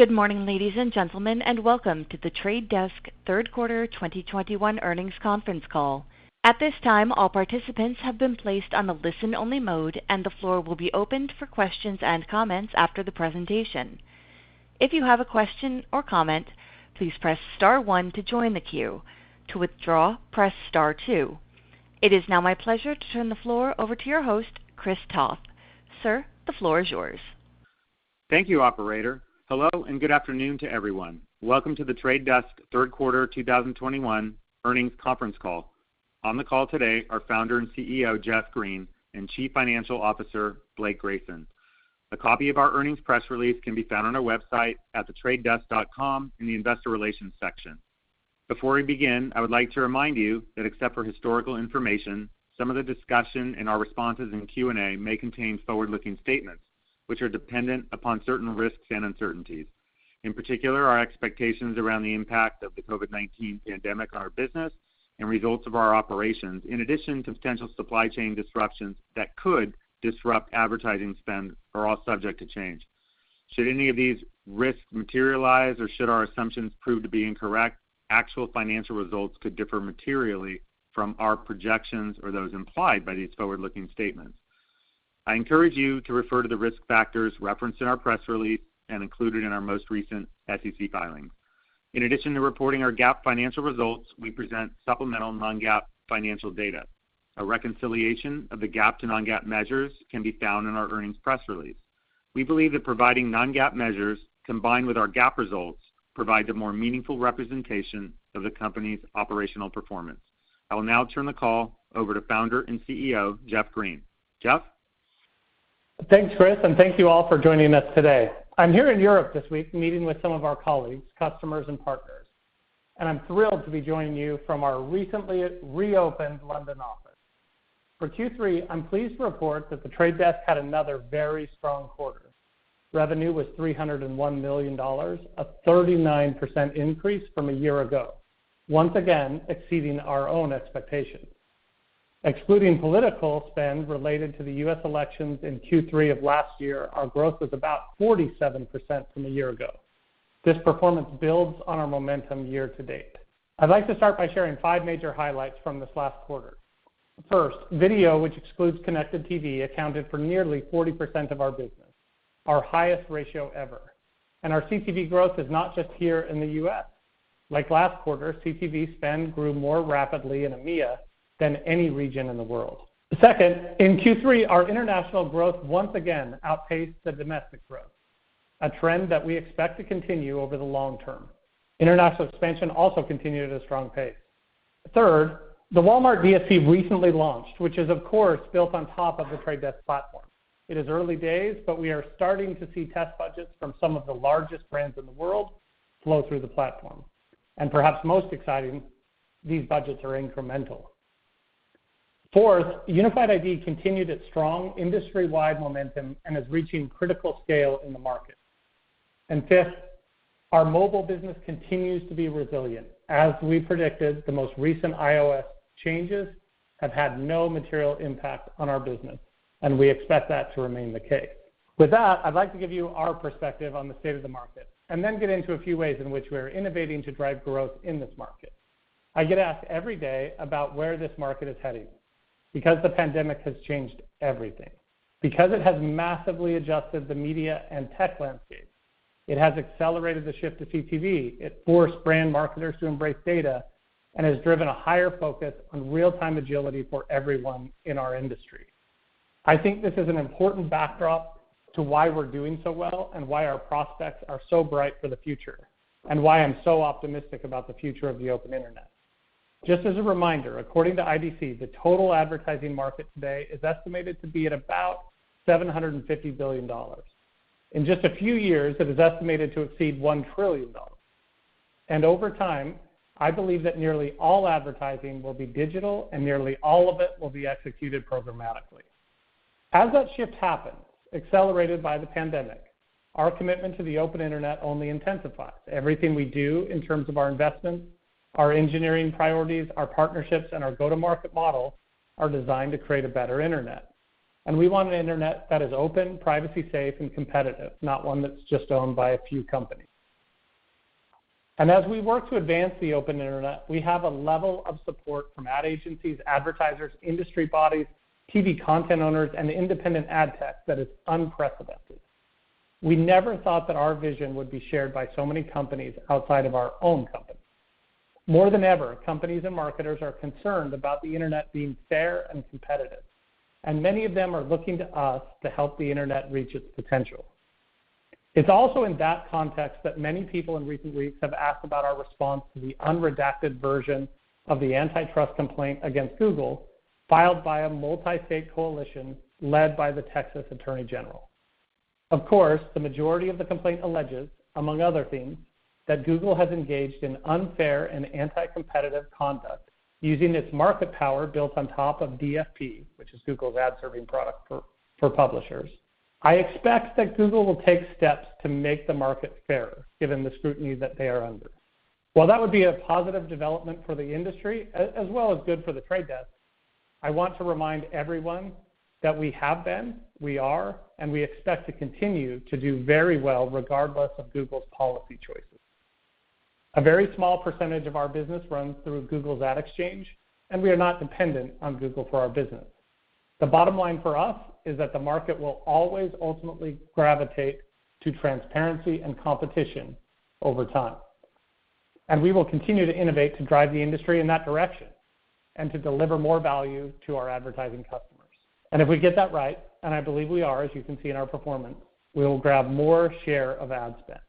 Good morning, ladies and gentlemen, and welcome to The Trade Desk third quarter 2021 earnings conference call. At this time, all participants have been placed on a listen-only mode, and the floor will be opened for questions and comments after the presentation. If you have a question or comment, please press star one to join the queue. To withdraw, press star two. It is now my pleasure to turn the floor over to your host, Chris Toth. Sir, the floor is yours. Thank you, operator. Hello, and good afternoon to everyone. Welcome to The Trade Desk third quarter 2021 earnings conference call. On the call today are founder and CEO, Jeff Green, and Chief Financial Officer, Blake Grayson. A copy of our earnings press release can be found on our website at tradedesk.com in the investor relations section. Before we begin, I would like to remind you that except for historical information, some of the discussion and our responses in Q&A may contain forward-looking statements which are dependent upon certain risks and uncertainties. In particular, our expectations around the impact of the COVID-19 pandemic on our business and results of our operations, in addition to potential supply chain disruptions that could disrupt advertising spend, are all subject to change. Should any of these risks materialize or should our assumptions prove to be incorrect, actual financial results could differ materially from our projections or those implied by these forward-looking statements. I encourage you to refer to the risk factors referenced in our press release and included in our most recent SEC filing. In addition to reporting our GAAP financial results, we present supplemental non-GAAP financial data. A reconciliation of the GAAP to non-GAAP measures can be found in our earnings press release. We believe that providing non-GAAP measures combined with our GAAP results provide a more meaningful representation of the company's operational performance. I will now turn the call over to Founder and CEO, Jeff Green. Jeff? Thanks, Chris, and thank you all for joining us today. I'm here in Europe this week meeting with some of our colleagues, customers, and partners, and I'm thrilled to be joining you from our recently reopened London office. For Q3, I'm pleased to report that The Trade Desk had another very strong quarter. Revenue was $301 million, a 39% increase from a year ago, once again exceeding our own expectations. Excluding political spend related to the U.S. elections in Q3 of last year, our growth was about 47% from a year ago. This performance builds on our momentum year to date. I'd like to start by sharing five major highlights from this last quarter. First, video, which excludes connected TV, accounted for nearly 40% of our business, our highest ratio ever. Our CTV growth is not just here in the U.S. Like last quarter, CTV spend grew more rapidly in EMEA than any region in the world. Second, in Q3, our international growth once again outpaced the domestic growth, a trend that we expect to continue over the long term. International expansion also continued at a strong pace. Third, the Walmart DSP recently launched, which is of course, built on top of The Trade Desk platform. It is early days, but we are starting to see test budgets from some of the largest brands in the world flow through the platform. Perhaps most exciting, these budgets are incremental. Fourth, Unified ID continued its strong industry-wide momentum and is reaching critical scale in the market. Fifth, our mobile business continues to be resilient. As we predicted, the most recent iOS changes have had no material impact on our business, and we expect that to remain the case. With that, I'd like to give you our perspective on the state of the market and then get into a few ways in which we are innovating to drive growth in this market. I get asked every day about where this market is heading because the pandemic has changed everything, because it has massively adjusted the media and tech landscape. It has accelerated the shift to CTV. It forced brand marketers to embrace data and has driven a higher focus on real-time agility for everyone in our industry. I think this is an important backdrop to why we're doing so well and why our prospects are so bright for the future, and why I'm so optimistic about the future of the open Internet. Just as a reminder, according to IBC, the total advertising market today is estimated to be at about $750 billion. In just a few years, it is estimated to exceed $1 trillion. Over time, I believe that nearly all advertising will be digital and nearly all of it will be executed programmatically. As that shift happens, accelerated by the pandemic, our commitment to the open Internet only intensifies. Everything we do in terms of our investments, our engineering priorities, our partnerships, and our go-to-market model are designed to create a better internet. We want an internet that is open, privacy safe, and competitive, not one that's just owned by a few companies. As we work to advance the open Internet, we have a level of support from ad agencies, advertisers, industry bodies, TV content owners, and independent ad tech that is unprecedented. We never thought that our vision would be shared by so many companies outside of our own company. More than ever, companies and marketers are concerned about the Internet being fair and competitive, and many of them are looking to us to help the Internet reach its potential. It's also in that context that many people in recent weeks have asked about our response to the unredacted version of the antitrust complaint against Google, filed by a multi-state coalition led by the Texas Attorney General. Of course, the majority of the complaint alleges, among other things, that Google has engaged in unfair and anti-competitive conduct using its market power built on top of DFP, which is Google's ad serving product for publishers. I expect that Google will take steps to make the market fairer, given the scrutiny that they are under. While that would be a positive development for the industry, as well as good for The Trade Desk. I want to remind everyone that we have been, we are, and we expect to continue to do very well regardless of Google's policy choices. A very small percentage of our business runs through Google's Ad Exchange, and we are not dependent on Google for our business. The bottom line for us is that the market will always ultimately gravitate to transparency and competition over time. We will continue to innovate to drive the industry in that direction and to deliver more value to our advertising customers. If we get that right, and I believe we are, as you can see in our performance, we will grab more share of ad spend.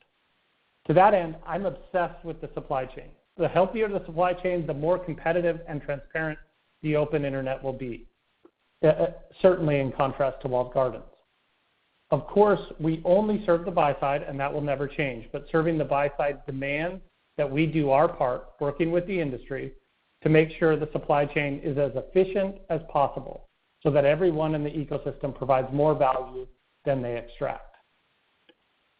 To that end, I'm obsessed with the supply chain. The healthier the supply chain, the more competitive and transparent the open internet will be, certainly in contrast to walled gardens. Of course, we only serve the buy side, and that will never change. Serving the buy side demands that we do our part, working with the industry, to make sure the supply chain is as efficient as possible, so that everyone in the ecosystem provides more value than they extract.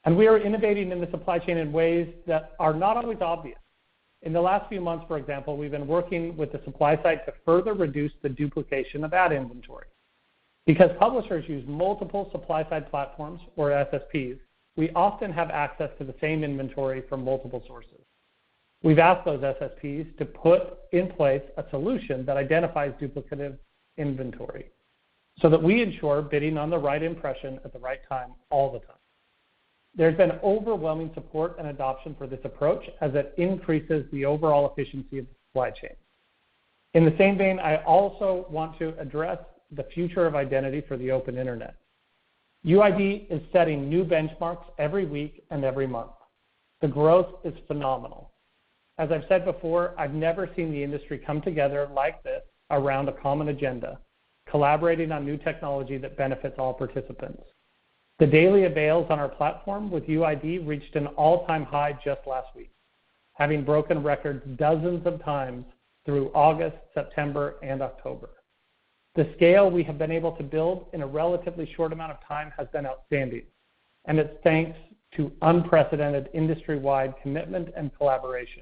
We are innovating in the supply chain in ways that are not always obvious. In the last few months, for example, we've been working with the supply side to further reduce the duplication of ad inventory. Because publishers use multiple supply side platforms or SSPs, we often have access to the same inventory from multiple sources. We've asked those SSPs to put in place a solution that identifies duplicative inventory so that we ensure bidding on the right impression at the right time all the time. There's been overwhelming support and adoption for this approach as it increases the overall efficiency of the supply chain. In the same vein, I also want to address the future of identity for the open internet. UID is setting new benchmarks every week and every month. The growth is phenomenal. As I've said before, I've never seen the industry come together like this around a common agenda, collaborating on new technology that benefits all participants. The daily avails on our platform with UID reached an all-time high just last week, having broken records dozens of times through August, September, and October. The scale we have been able to build in a relatively short amount of time has been outstanding, and it's thanks to unprecedented industry-wide commitment and collaboration.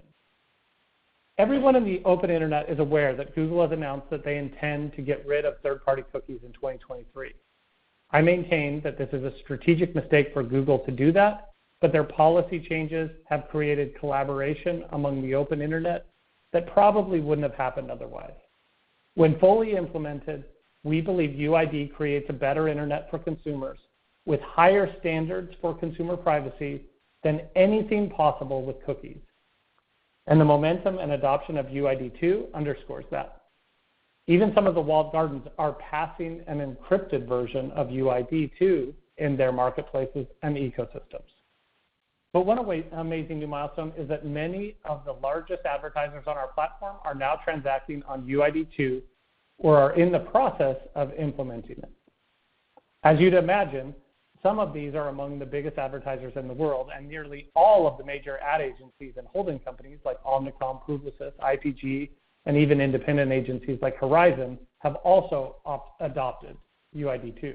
Everyone in the open internet is aware that Google has announced that they intend to get rid of third-party cookies in 2023. I maintain that this is a strategic mistake for Google to do that, but their policy changes have created collaboration among the open internet that probably wouldn't have happened otherwise. When fully implemented, we believe UID creates a better internet for consumers with higher standards for consumer privacy than anything possible with cookies. The momentum and adoption of UID 2 underscores that. Even some of the walled gardens are passing an encrypted version of UID 2 in their marketplaces and ecosystems. Amazing new milestone is that many of the largest advertisers on our platform are now transacting on UID 2 or are in the process of implementing it. As you'd imagine, some of these are among the biggest advertisers in the world, and nearly all of the major ad agencies and holding companies like Omnicom, Publicis, IPG, and even independent agencies like Horizon have also adopted UID 2.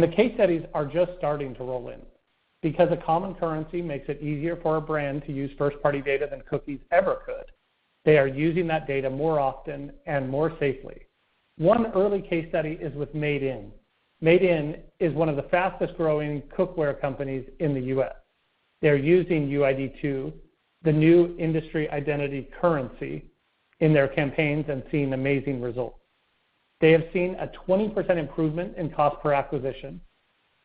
The case studies are just starting to roll in. Because a common currency makes it easier for a brand to use first-party data than cookies ever could, they are using that data more often and more safely. One early case study is with Made In. Made In is one of the fastest-growing cookware companies in the U.S. They are using UID 2, the new industry identity currency, in their campaigns and seeing amazing results. They have seen a 20% improvement in cost per acquisition.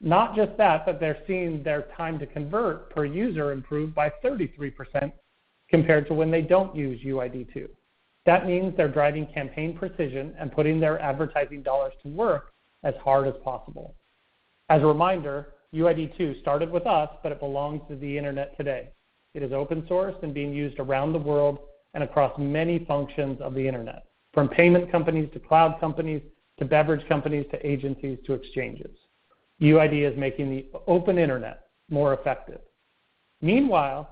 Not just that, but they're seeing their time to convert per user improve by 33% compared to when they don't use UID 2. That means they're driving campaign precision and putting their advertising dollars to work as hard as possible. As a reminder, UID 2 started with us, but it belongs to the internet today. It is open source and being used around the world and across many functions of the internet, from payment companies to cloud companies to beverage companies to agencies to exchanges. UID is making the open internet more effective. Meanwhile,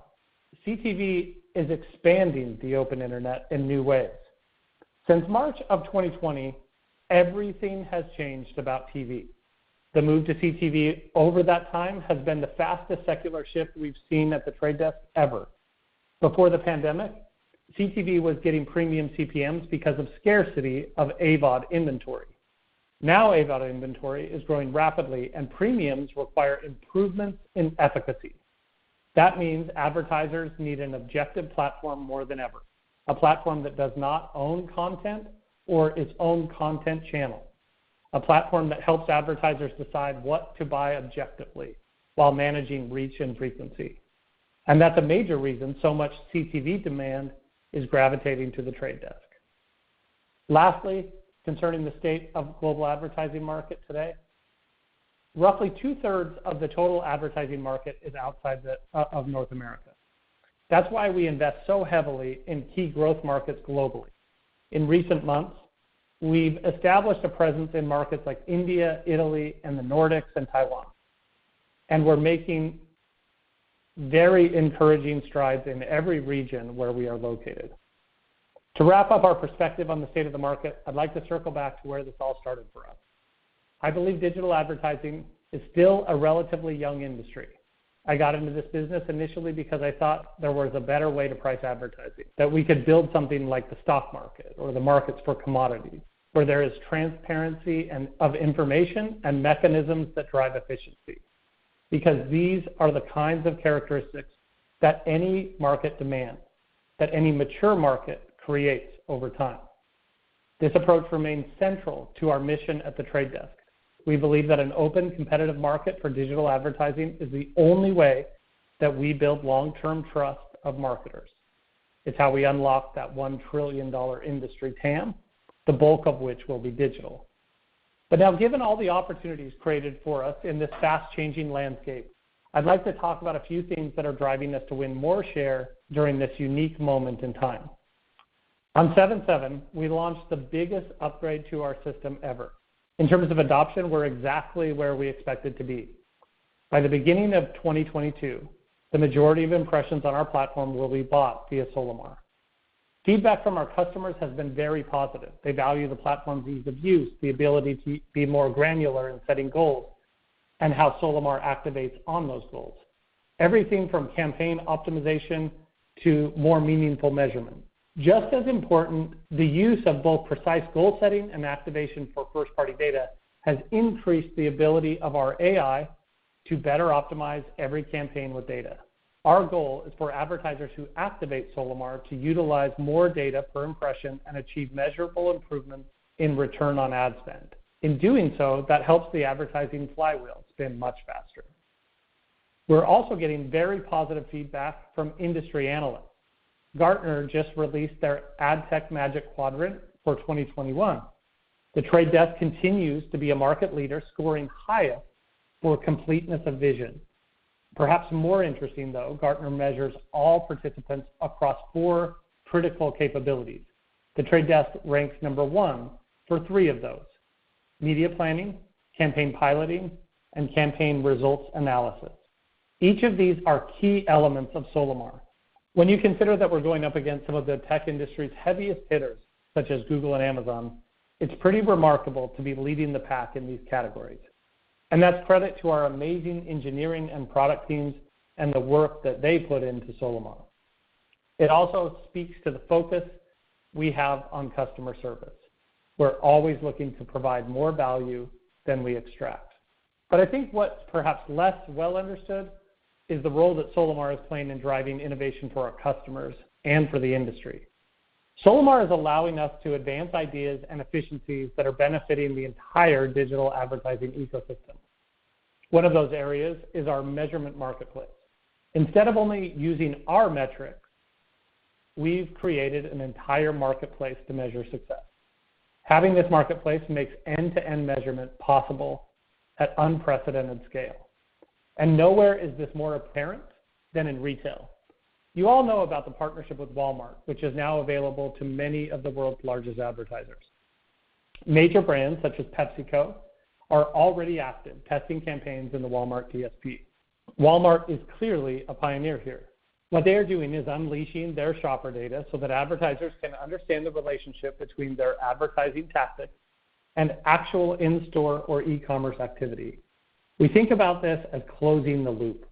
CTV is expanding the open internet in new ways. Since March 2020, everything has changed about TV. The move to CTV over that time has been the fastest secular shift we've seen at The Trade Desk ever. Before the pandemic, CTV was getting premium CPMs because of scarcity of AVOD inventory. Now, AVOD inventory is growing rapidly, and premiums require improvements in efficacy. That means advertisers need an objective platform more than ever, a platform that does not own content or its own content channel. A platform that helps advertisers decide what to buy objectively while managing reach and frequency. That's a major reason so much CTV demand is gravitating to The Trade Desk. Lastly, concerning the state of global advertising market today, roughly 2/3 of the total advertising market is outside of North America. That's why we invest so heavily in key growth markets globally. In recent months, we've established a presence in markets like India, Italy, and the Nordics, and Taiwan, and we're making very encouraging strides in every region where we are located. To wrap up our perspective on the state of the market, I'd like to circle back to where this all started for us. I believe digital advertising is still a relatively young industry. I got into this business initially because I thought there was a better way to price advertising, that we could build something like the stock market or the markets for commodities, where there is transparency and of information and mechanisms that drive efficiency. Because these are the kinds of characteristics that any market demands, that any mature market creates over time. This approach remains central to our mission at The Trade Desk. We believe that an open competitive market for digital advertising is the only way that we build long-term trust of marketers. It's how we unlock that $1 trillion industry TAM, the bulk of which will be digital. Now, given all the opportunities created for us in this fast-changing landscape, I'd like to talk about a few things that are driving us to win more share during this unique moment in time. On 7/7, we launched the biggest upgrade to our system ever. In terms of adoption, we're exactly where we expected to be. By the beginning of 2022, the majority of impressions on our platform will be bought via Solimar. Feedback from our customers has been very positive. They value the platform's ease of use, the ability to be more granular in setting goals, and how Solimar activates on those goals, everything from campaign optimization to more meaningful measurement. Just as important, the use of both precise goal setting and activation for first-party data has increased the ability of our AI to better optimize every campaign with data. Our goal is for advertisers who activate Solimar to utilize more data per impression and achieve measurable improvements in return on ad spend. In doing so, that helps the advertising flywheel spin much faster. We're also getting very positive feedback from industry analysts. Gartner just released their Magic Quadrant for Ad Tech for 2021. The Trade Desk continues to be a market leader scoring highest for completeness of vision. Perhaps more interesting, though, Gartner measures all participants across four critical capabilities. The Trade Desk ranks number one for three of those: media planning, campaign piloting, and campaign results analysis. Each of these are key elements of Solimar. When you consider that we're going up against some of the tech industry's heaviest hitters, such as Google and Amazon, it's pretty remarkable to be leading the pack in these categories. That's credit to our amazing engineering and product teams and the work that they put into Solimar. It also speaks to the focus we have on customer service. We're always looking to provide more value than we extract. I think what's perhaps less well understood is the role that Solimar is playing in driving innovation for our customers and for the industry. Solimar is allowing us to advance ideas and efficiencies that are benefiting the entire digital advertising ecosystem. One of those areas is our measurement marketplace. Instead of only using our metrics, we've created an entire marketplace to measure success. Having this marketplace makes end-to-end measurement possible at unprecedented scale. Nowhere is this more apparent than in retail. You all know about the partnership with Walmart, which is now available to many of the world's largest advertisers. Major brands such as PepsiCo are already active, testing campaigns in the Walmart DSP. Walmart is clearly a pioneer here. What they are doing is unleashing their shopper data so that advertisers can understand the relationship between their advertising tactics and actual in-store or e-commerce activity. We think about this as closing the loop.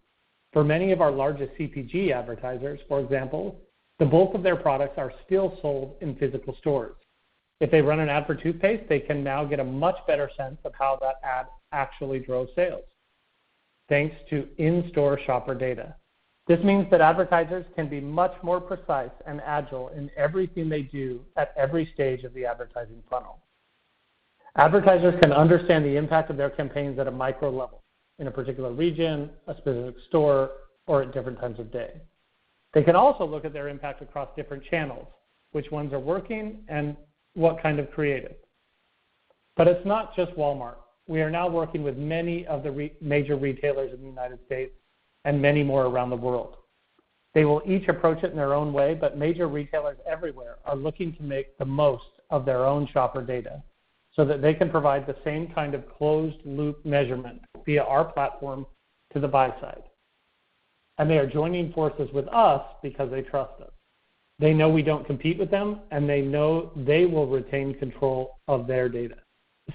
For many of our largest CPG advertisers, for example, the bulk of their products are still sold in physical stores. If they run an ad for toothpaste, they can now get a much better sense of how that ad actually drove sales thanks to in-store shopper data. This means that advertisers can be much more precise and agile in everything they do at every stage of the advertising funnel. Advertisers can understand the impact of their campaigns at a micro level, in a particular region, a specific store, or at different times of day. They can also look at their impact across different channels, which ones are working, and what kind of creative. It's not just Walmart. We are now working with many of the major retailers in the United States and many more around the world. They will each approach it in their own way, but major retailers everywhere are looking to make the most of their own shopper data so that they can provide the same kind of closed loop measurement via our platform to the buy side. They are joining forces with us because they trust us. They know we don't compete with them, and they know they will retain control of their data.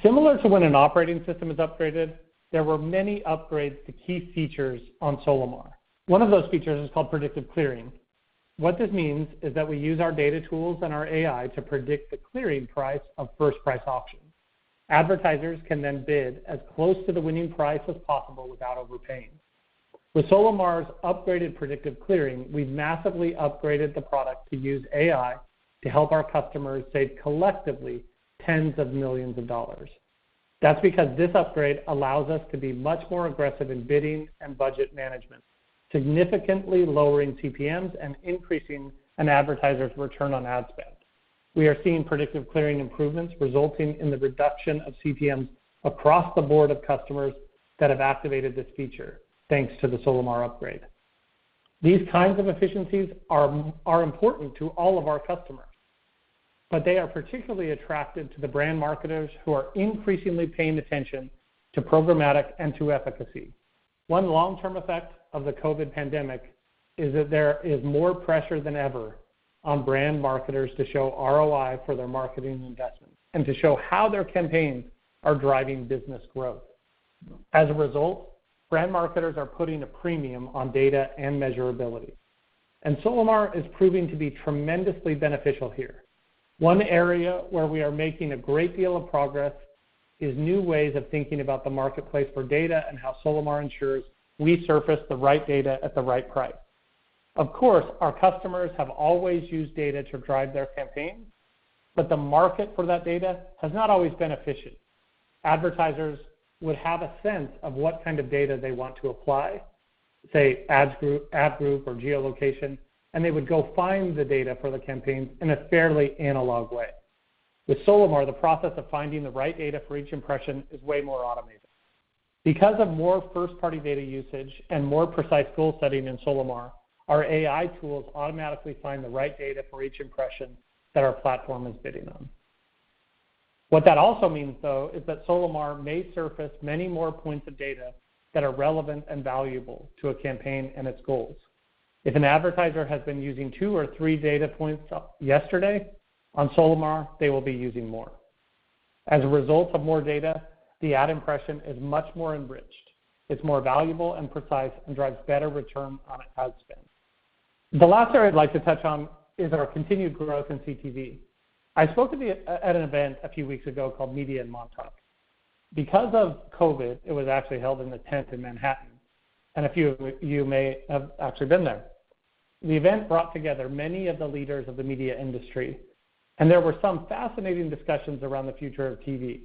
Similar to when an operating system is upgraded, there were many upgrades to key features on Solimar. One of those features is called Predictive Clearing. What this means is that we use our data tools and our AI to predict the clearing price of first-price auctions. Advertisers can then bid as close to the winning price as possible without overpaying. With Solimar's upgraded Predictive Clearing, we've massively upgraded the product to use AI to help our customers save collectively tens of millions of dollars. That's because this upgrade allows us to be much more aggressive in bidding and budget management, significantly lowering CPMs and increasing an advertiser's return on ad spend. We are seeing Predictive Clearing improvements resulting in the reduction of CPMs across the board for customers that have activated this feature, thanks to the Solimar upgrade. These kinds of efficiencies are important to all of our customers, but they are particularly attractive to the brand marketers who are increasingly paying attention to programmatic and to efficacy. One long-term effect of the COVID-19 pandemic is that there is more pressure than ever on brand marketers to show ROI for their marketing investments and to show how their campaigns are driving business growth. As a result, brand marketers are putting a premium on data and measurability, and Solimar is proving to be tremendously beneficial here. One area where we are making a great deal of progress is new ways of thinking about the marketplace for data and how Solimar ensures we surface the right data at the right price. Of course, our customers have always used data to drive their campaigns, but the market for that data has not always been efficient. Advertisers would have a sense of what kind of data they want to apply, say ad group, or geolocation, and they would go find the data for the campaign in a fairly analog way. With Solimar, the process of finding the right data for each impression is way more automated. Because of more first-party data usage and more precise goal setting in Solimar, our AI tools automatically find the right data for each impression that our platform is bidding on. What that also means, though, is that Solimar may surface many more points of data that are relevant and valuable to a campaign and its goals. If an advertiser has been using two or three data points yesterday, on Solimar, they will be using more. As a result of more data, the ad impression is much more enriched. It's more valuable and precise and drives better return on ad spend. The last area I'd like to touch on is our continued growth in CTV. I spoke at an event a few weeks ago called Media in Montauk. Because of COVID, it was actually held in a tent in Manhattan, and a few of you may have actually been there. The event brought together many of the leaders of the media industry, and there were some fascinating discussions around the future of TV.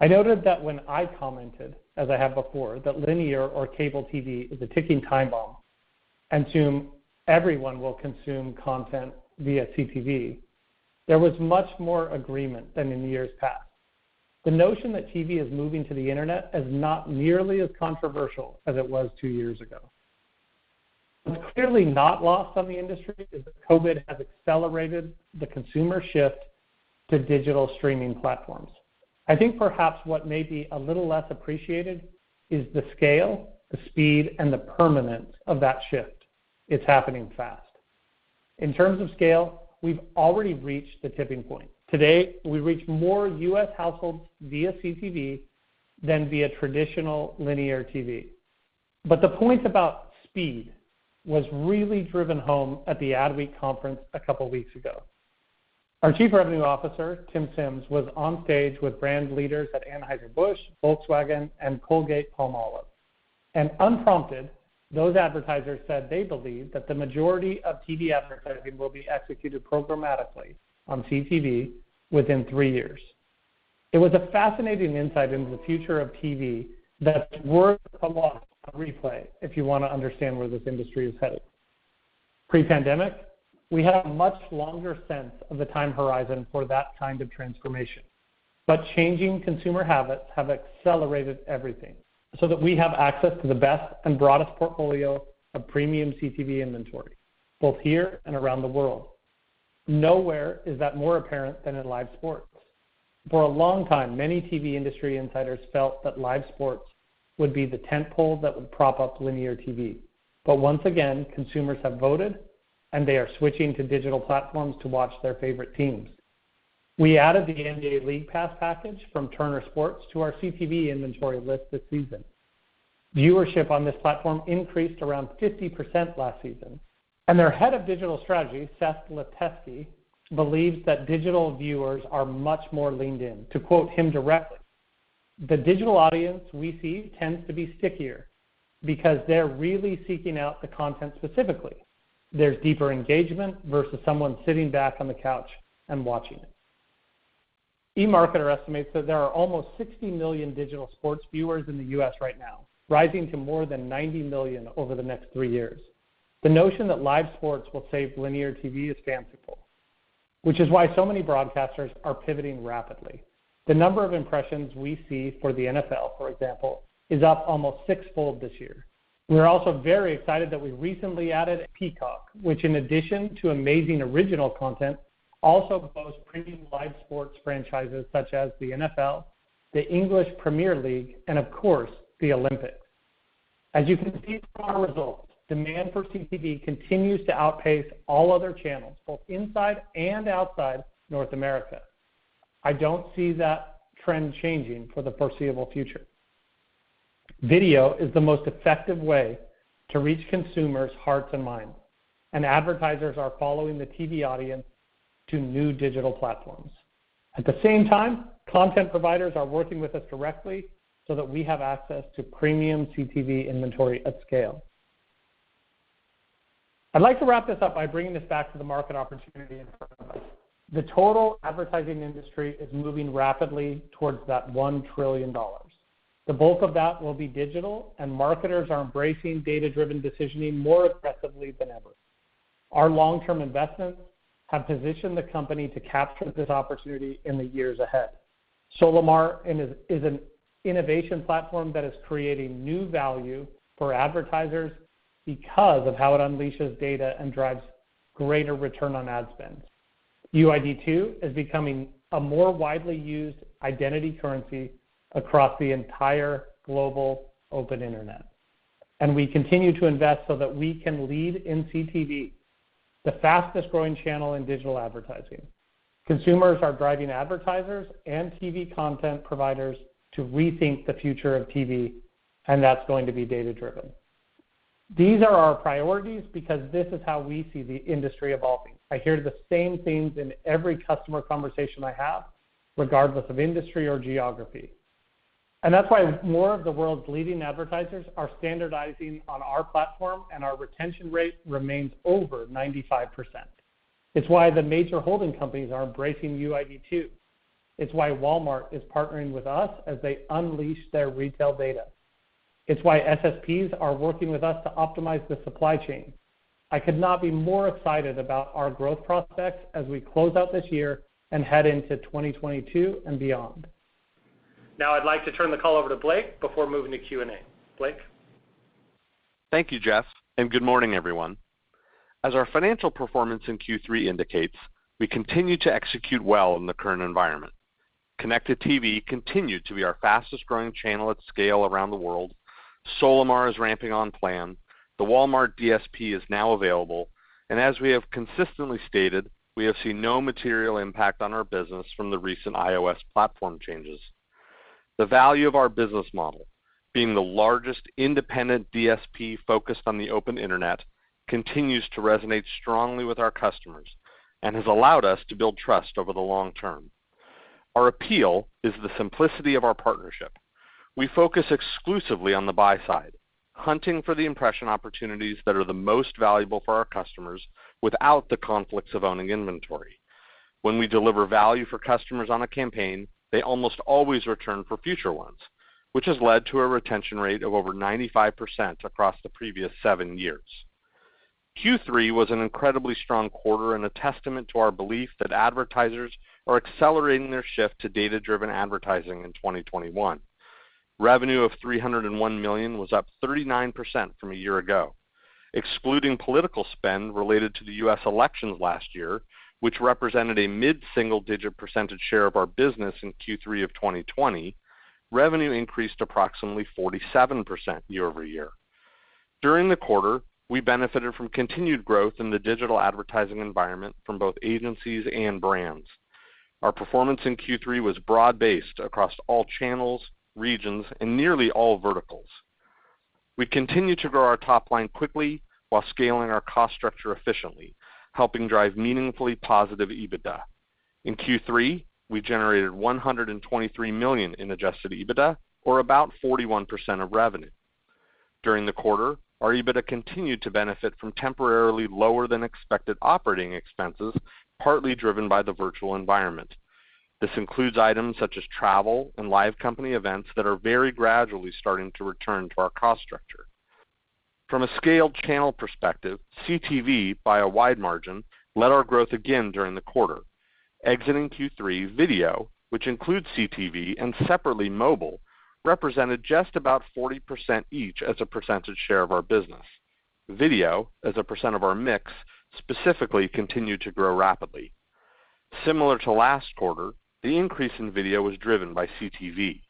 I noted that when I commented, as I have before, that linear or cable TV is a ticking time bomb and soon everyone will consume content via CTV, there was much more agreement than in years past. The notion that TV is moving to the internet is not nearly as controversial as it was two years ago. What's clearly not lost on the industry is that COVID has accelerated the consumer shift to digital streaming platforms. I think perhaps what may be a little less appreciated is the scale, the speed, and the permanence of that shift. It's happening fast. In terms of scale, we've already reached the tipping point. Today, we reach more U.S. households via CTV than via traditional linear TV. The point about speed was really driven home at the Adweek conference a couple weeks ago. Our Chief Revenue Officer, Tim Sims, was on stage with brand leaders at Anheuser-Busch, Volkswagen, and Colgate-Palmolive. Unprompted, those advertisers said they believe that the majority of TV advertising will be executed programmatically on CTV within three years. It was a fascinating insight into the future of TV that's worth a lot on replay if you wanna understand where this industry is headed. Pre-pandemic, we had a much longer sense of the time horizon for that kind of transformation, but changing consumer habits have accelerated everything so that we have access to the best and broadest portfolio of premium CTV inventory, both here and around the world. Nowhere is that more apparent than in live sports. For a long time, many TV industry insiders felt that live sports would be the tent pole that would prop up linear TV. Once again, consumers have voted, and they are switching to digital platforms to watch their favorite teams. We added the NBA League Pass package from Turner Sports to our CTV inventory list this season. Viewership on this platform increased around 50% last season, and their Head of Digital Strategy, Seth Ladetsky, believes that digital viewers are much more leaned in. To quote him directly, "The digital audience we see tends to be stickier because they're really seeking out the content specifically. There's deeper engagement versus someone sitting back on the couch and watching it." eMarketer estimates that there are almost 60 million digital sports viewers in the U.S. right now, rising to more than 90 million over the next three years. The notion that live sports will save linear TV is fanciful, which is why so many broadcasters are pivoting rapidly. The number of impressions we see for the NFL, for example, is up almost six-fold this year. We are also very excited that we recently added Peacock, which in addition to amazing original content, also boasts premium live sports franchises such as the NFL, the English Premier League, and of course, the Olympics. As you can see from our results, demand for CTV continues to outpace all other channels, both inside and outside North America. I don't see that trend changing for the foreseeable future. Video is the most effective way to reach consumers' hearts and minds, and advertisers are following the TV audience to new digital platforms. At the same time, content providers are working with us directly so that we have access to premium CTV inventory at scale. I'd like to wrap this up by bringing this back to the market opportunity in front of us. The total advertising industry is moving rapidly towards that $1 trillion. The bulk of that will be digital, and marketers are embracing data-driven decisioning more aggressively than ever. Our long-term investments have positioned the company to capture this opportunity in the years ahead. Solimar is an innovation platform that is creating new value for advertisers because of how it unleashes data and drives greater return on ad spend. UID 2 is becoming a more widely used identity currency across the entire global open internet, and we continue to invest so that we can lead in CTV, the fastest growing channel in digital advertising. Consumers are driving advertisers and TV content providers to rethink the future of TV, and that's going to be data-driven. These are our priorities because this is how we see the industry evolving. I hear the same themes in every customer conversation I have, regardless of industry or geography. That's why more of the world's leading advertisers are standardizing on our platform and our retention rate remains over 95%. It's why the major holding companies are embracing UID 2. It's why Walmart is partnering with us as they unleash their retail data. It's why SSPs are working with us to optimize the supply chain. I could not be more excited about our growth prospects as we close out this year and head into 2022 and beyond. Now, I'd like to turn the call over to Blake before moving to Q&A. Blake. Thank you, Jeff, and good morning, everyone. As our financial performance in Q3 indicates, we continue to execute well in the current environment. Connected TV continued to be our fastest-growing channel at scale around the world. Solimar is ramping on plan. The Walmart DSP is now available, and as we have consistently stated, we have seen no material impact on our business from the recent iOS platform changes. The value of our business model, being the largest independent DSP focused on the open internet, continues to resonate strongly with our customers and has allowed us to build trust over the long term. Our appeal is the simplicity of our partnership. We focus exclusively on the buy side, hunting for the impression opportunities that are the most valuable for our customers without the conflicts of owning inventory. When we deliver value for customers on a campaign, they almost always return for future ones, which has led to a retention rate of over 95% across the previous seven years. Q3 was an incredibly strong quarter and a testament to our belief that advertisers are accelerating their shift to data-driven advertising in 2021. Revenue of $301 million was up 39% from a year ago. Excluding political spend related to the U.S. elections last year, which represented a mid-single-digit percent share of our business in Q3 of 2020, revenue increased approximately 47% year-over-year. During the quarter, we benefited from continued growth in the digital advertising environment from both agencies and brands. Our performance in Q3 was broad-based across all channels, regions, and nearly all verticals. We continued to grow our top line quickly while scaling our cost structure efficiently, helping drive meaningfully positive EBITDA. In Q3, we generated $123 million in Adjusted EBITDA, or about 41% of revenue. During the quarter, our EBITDA continued to benefit from temporarily lower than expected operating expenses, partly driven by the virtual environment. This includes items such as travel and live company events that are very gradually starting to return to our cost structure. From a scaled channel perspective, CTV by a wide margin led our growth again during the quarter. Exiting Q3, video, which includes CTV and separately mobile, represented just about 40% each as a percentage share of our business. Video, as a percent of our mix, specifically continued to grow rapidly. Similar to last quarter, the increase in video was driven by CTV.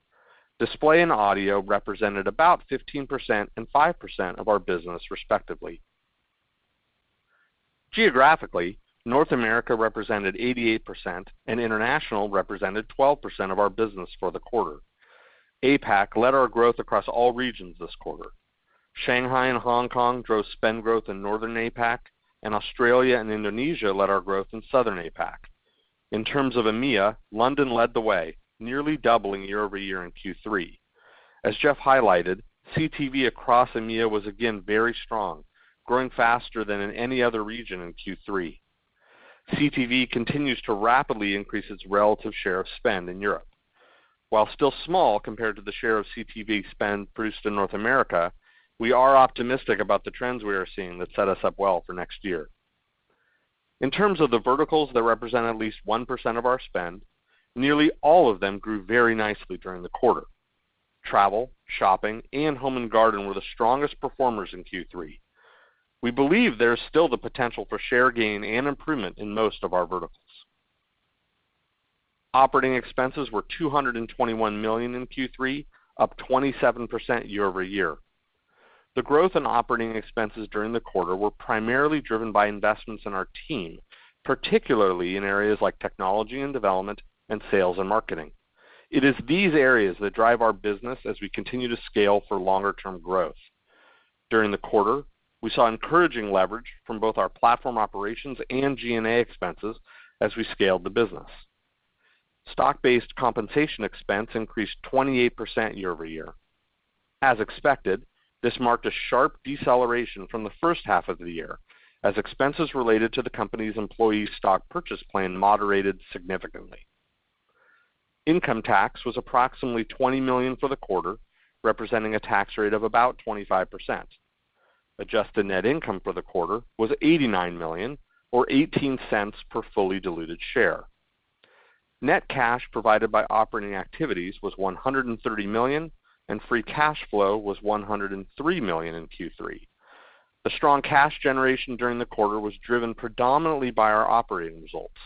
Display and audio represented about 15% and 5% of our business, respectively. Geographically, North America represented 88% and international represented 12% of our business for the quarter. APAC led our growth across all regions this quarter. Shanghai and Hong Kong drove spend growth in Northern APAC, and Australia and Indonesia led our growth in Southern APAC. In terms of EMEA, London led the way, nearly doubling year-over-year in Q3. As Jeff highlighted, CTV across EMEA was again very strong, growing faster than in any other region in Q3. CTV continues to rapidly increase its relative share of spend in Europe. While still small compared to the share of CTV spend produced in North America, we are optimistic about the trends we are seeing that set us up well for next year. In terms of the verticals that represent at least 1% of our spend, nearly all of them grew very nicely during the quarter. Travel, shopping, and home and garden were the strongest performers in Q3. We believe there is still the potential for share gain and improvement in most of our verticals. Operating expenses were $221 million in Q3, up 27% year-over-year. The growth in operating expenses during the quarter were primarily driven by investments in our team, particularly in areas like technology and development and sales and marketing. It is these areas that drive our business as we continue to scale for longer term growth. During the quarter, we saw encouraging leverage from both our platform operations and G&A expenses as we scaled the business. Stock-based compensation expense increased 28% year-over-year. As expected, this marked a sharp deceleration from the first half of the year as expenses related to the company's employee stock purchase plan moderated significantly. Income tax was approximately $20 million for the quarter, representing a tax rate of about 25%. Adjusted net income for the quarter was $89 million or $0.18 per fully diluted share. Net cash provided by operating activities was $130 million, and free cash flow was $103 million in Q3. The strong cash generation during the quarter was driven predominantly by our operating results.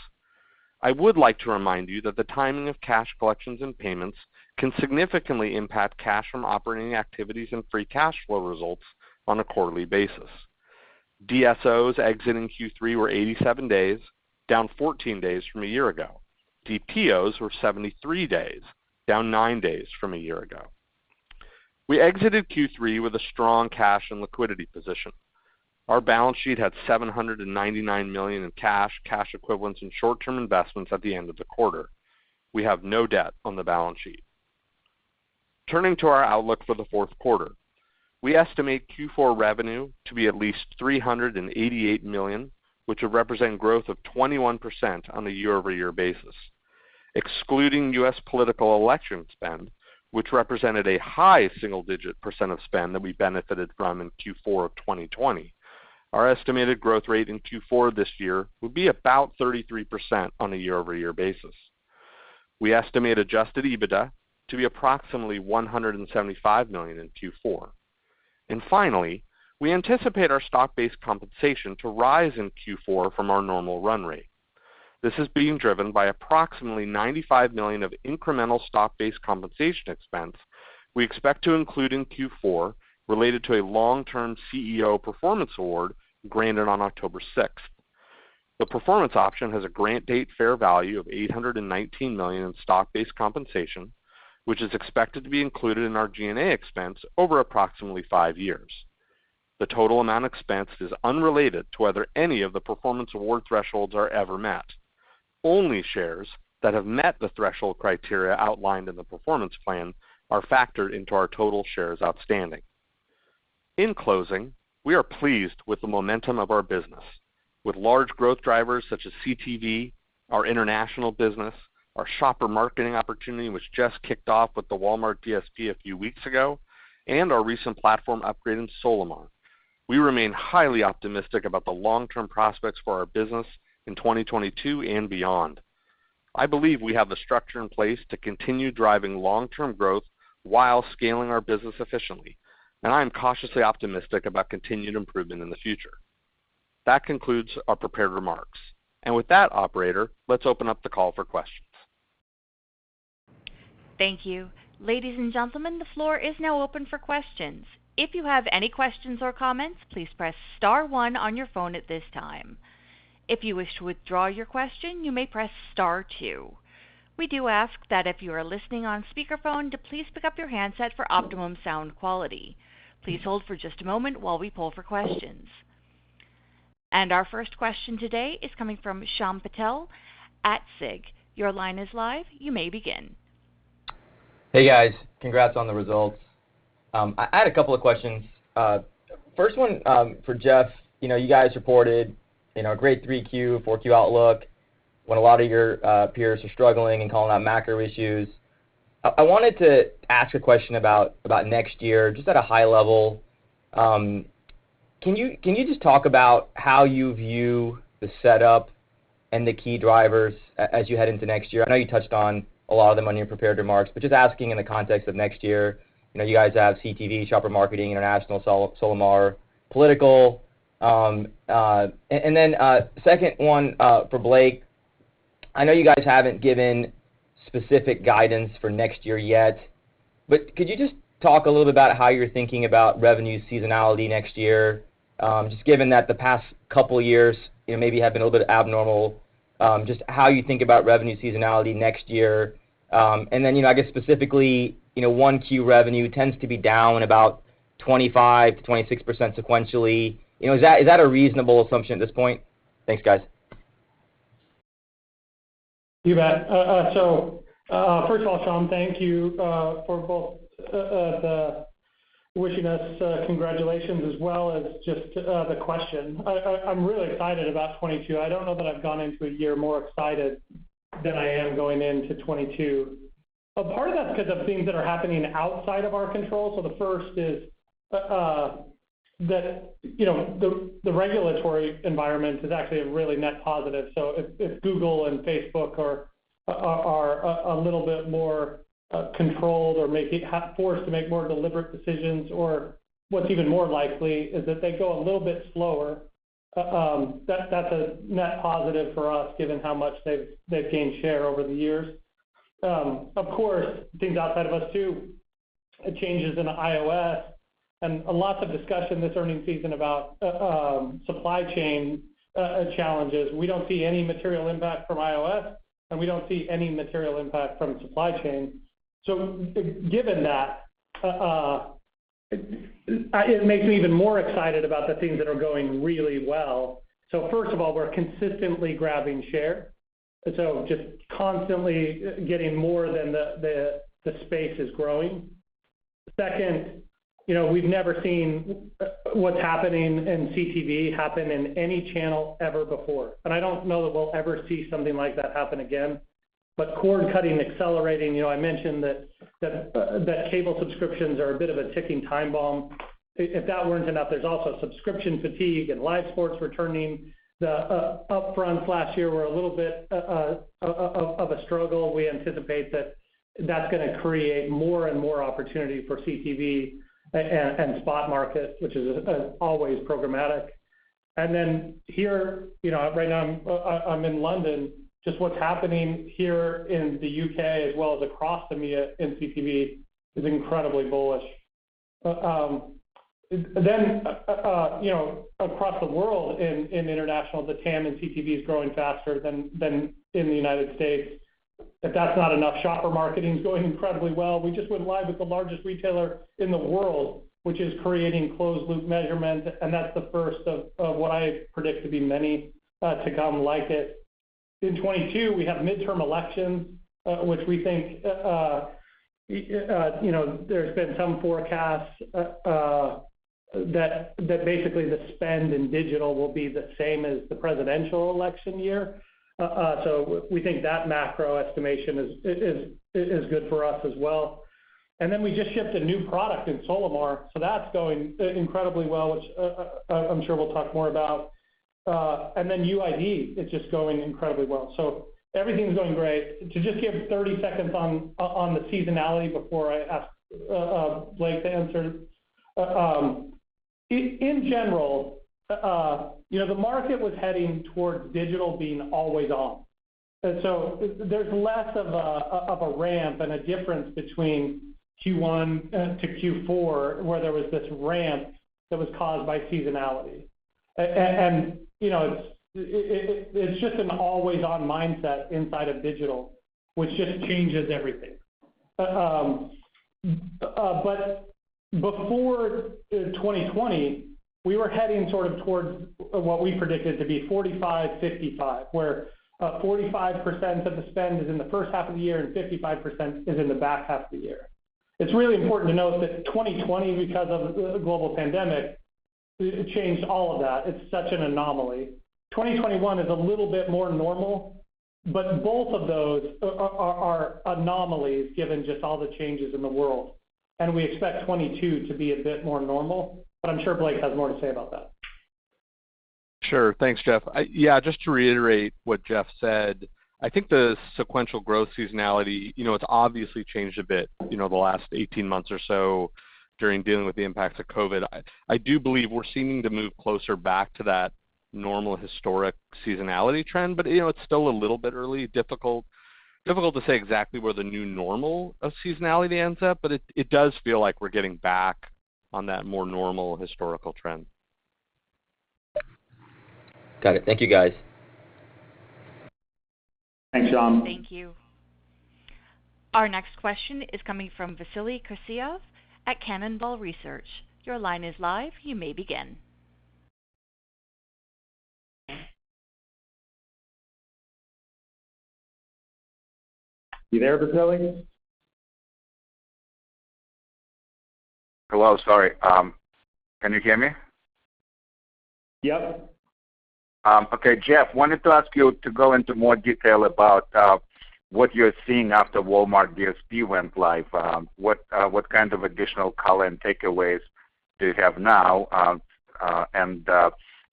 I would like to remind you that the timing of cash collections and payments can significantly impact cash from operating activities and free cash flow results on a quarterly basis. DSOs exiting Q3 were 87 days, down 14 days from a year ago. DPOs were 73 days, down nine days from a year ago. We exited Q3 with a strong cash and liquidity position. Our balance sheet had $799 million in cash equivalents, and short-term investments at the end of the quarter. We have no debt on the balance sheet. Turning to our outlook for the fourth quarter. We estimate Q4 revenue to be at least $388 million, which would represent growth of 21% on a year-over-year basis. Excluding U.S. political election spend, which represented a high single-digit percent of spend that we benefited from in Q4 of 2020, our estimated growth rate in Q4 this year would be about 33% on a year-over-year basis. We estimate Adjusted EBITDA to be approximately $175 million in Q4. Finally, we anticipate our stock-based compensation to rise in Q4 from our normal run rate. This is being driven by approximately $95 million of incremental stock-based compensation expense we expect to include in Q4 related to a long-term CEO performance award granted on October 6th. The performance option has a grant date fair value of $819 million in stock-based compensation, which is expected to be included in our G&A expense over approximately five years. The total amount expensed is unrelated to whether any of the performance award thresholds are ever met. Only shares that have met the threshold criteria outlined in the performance plan are factored into our total shares outstanding. In closing, we are pleased with the momentum of our business. With large growth drivers such as CTV, our international business, our shopper marketing opportunity, which just kicked off with the Walmart DSP a few weeks ago, and our recent platform upgrade in Solimar, we remain highly optimistic about the long-term prospects for our business in 2022 and beyond. I believe we have the structure in place to continue driving long-term growth while scaling our business efficiently, and I am cautiously optimistic about continued improvement in the future. That concludes our prepared remarks. With that, operator, let's open up the call for questions. Thank you. Ladies and gentlemen, the floor is now open for questions. If you have any questions or comments, please press star one on your phone at this time. If you wish to withdraw your question, you may press star two. We do ask that if you are listening on speakerphone to please pick up your handset for optimum sound quality. Please hold for just a moment while we poll for questions. Our first question today is coming from Shyam Patel at Susquehanna. Your line is live. You may begin. Hey, guys. Congrats on the results. I had a couple of questions. First one, for Jeff. You know, you guys reported, you know, a great Q3, Q4 outlook when a lot of your peers are struggling and calling out macro issues. I wanted to ask a question about next year, just at a high level. Can you just talk about how you view the setup and the key drivers as you head into next year? I know you touched on a lot of them in your prepared remarks, but just asking in the context of next year. You know, you guys have CTV, shopper marketing, international, Solimar, political. Second one, for Blake. I know you guys haven't given specific guidance for next year yet, but could you just talk a little bit about how you're thinking about revenue seasonality next year? Just given that the past couple years, you know, maybe have been a little bit abnormal, just how you think about revenue seasonality next year. And then, you know, I guess specifically, you know, Q1 revenue tends to be down about 25%-26% sequentially. You know, is that a reasonable assumption at this point? Thanks, guys. You bet. First of all, Shyam, thank you for both wishing us congratulations as well as just the question. I'm really excited about 2022. I don't know that I've gone into a year more excited than I am going into 2022. A part of that's because of things that are happening outside of our control. The first is that you know the regulatory environment is actually a really net positive. If Google and Facebook are a little bit more controlled or forced to make more deliberate decisions, or what's even more likely is that they go a little bit slower, that's a net positive for us given how much they've gained share over the years. Of course, things outside of us too, changes in iOS and lots of discussion this earnings season about supply chain challenges. We don't see any material impact from iOS, and we don't see any material impact from supply chain. Given that, it makes me even more excited about the things that are going really well. First of all, we're consistently grabbing share, and so just constantly getting more than the space is growing. Second, you know, we've never seen what's happening in CTV happen in any channel ever before. I don't know that we'll ever see something like that happen again. Cord cutting accelerating, you know, I mentioned that cable subscriptions are a bit of a ticking time bomb. If that weren't enough, there's also subscription fatigue and live sports returning. The upfronts last year were a little bit of a struggle. We anticipate that that's gonna create more and more opportunity for CTV and spot market, which is always programmatic. Here, you know, right now I'm in London, just what's happening here in the U.K. as well as across EMEA in CTV is incredibly bullish. You know, across the world in international, the TAM in CTV is growing faster than in the United States. If that's not enough, shopper marketing is going incredibly well. We just went live with the largest retailer in the world, which is creating closed loop measurement, and that's the first of what I predict to be many to come like it. In 2022, we have midterm elections, which we think, you know, there's been some forecasts that basically the spend in digital will be the same as the presidential election year. So we think that macro estimation is good for us as well. Then we just shipped a new product in Solimar, so that's going incredibly well, which, I'm sure we'll talk more about. And then UID is just going incredibly well. So everything's going great. To just give 30 seconds on the seasonality before I ask Blake to answer. In general, you know, the market was heading towards digital being always on. So there's less of a ramp and a difference between Q1 to Q4, where there was this ramp that was caused by seasonality. You know, it's just an always-on mindset inside of digital, which just changes everything. Before 2020, we were heading sort of towards what we predicted to be 45/55, where 45% of the spend is in the first half of the year and 55% is in the back half of the year. It's really important to note that 2020, because of the global pandemic, changed all of that. It's such an anomaly. 2021 is a little bit more normal, but both of those are anomalies given just all the changes in the world. We expect 2022 to be a bit more normal, but I'm sure Blake has more to say about that. Sure. Thanks, Jeff. Yeah, just to reiterate what Jeff said, I think the sequential growth seasonality, you know, it's obviously changed a bit, you know, the last 18 months or so during dealing with the impacts of COVID. I do believe we're seeing to move closer back to that normal historic seasonality trend. You know, it's still a little bit early, difficult to say exactly where the new normal of seasonality ends up, but it does feel like we're getting back on that more normal historical trend. Got it. Thank you, guys. Thanks, John. Thank you. Our next question is coming from Vasily Karasyov at Cannonball Research. Your line is live. You may begin. You there, Vasily? Hello, sorry. Can you hear me? Yep. Okay, Jeff, wanted to ask you to go into more detail about what you're seeing after Walmart DSP went live. What kind of additional color and takeaways do you have now?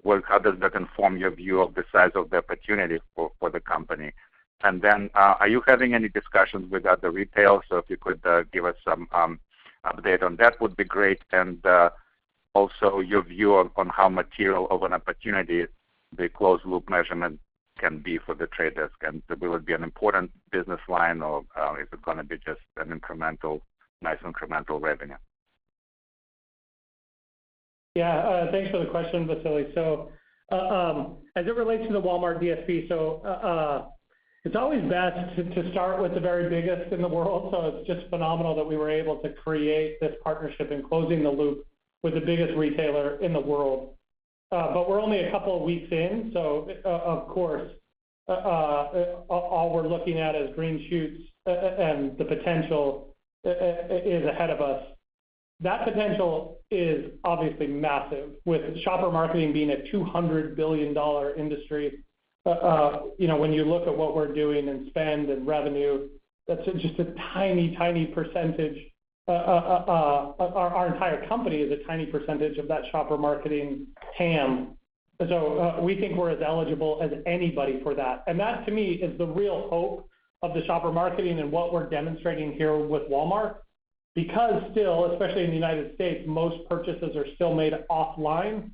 Well, how does that inform your view of the size of the opportunity for the company? Are you having any discussions with other retailers? If you could give us some update on that would be great. Also your view on how material of an opportunity the closed loop measurement can be for The Trade Desk, and will it be an important business line or is it gonna be just an incremental, nice incremental revenue? Yeah. Thanks for the question, Vasily. As it relates to the Walmart DSP, it's always best to start with the very biggest in the world. It's just phenomenal that we were able to create this partnership in closing the loop with the biggest retailer in the world. But we're only a couple of weeks in, of course, all we're looking at is green shoots and the potential is ahead of us. That potential is obviously massive. With shopper marketing being a $200 billion industry, you know, when you look at what we're doing in spend and revenue, that's just a tiny percentage. Our entire company is a tiny percentage of that shopper marketing TAM. We think we're as eligible as anybody for that. That, to me, is the real hope of the shopper marketing and what we're demonstrating here with Walmart. Because still, especially in the United States, most purchases are still made offline.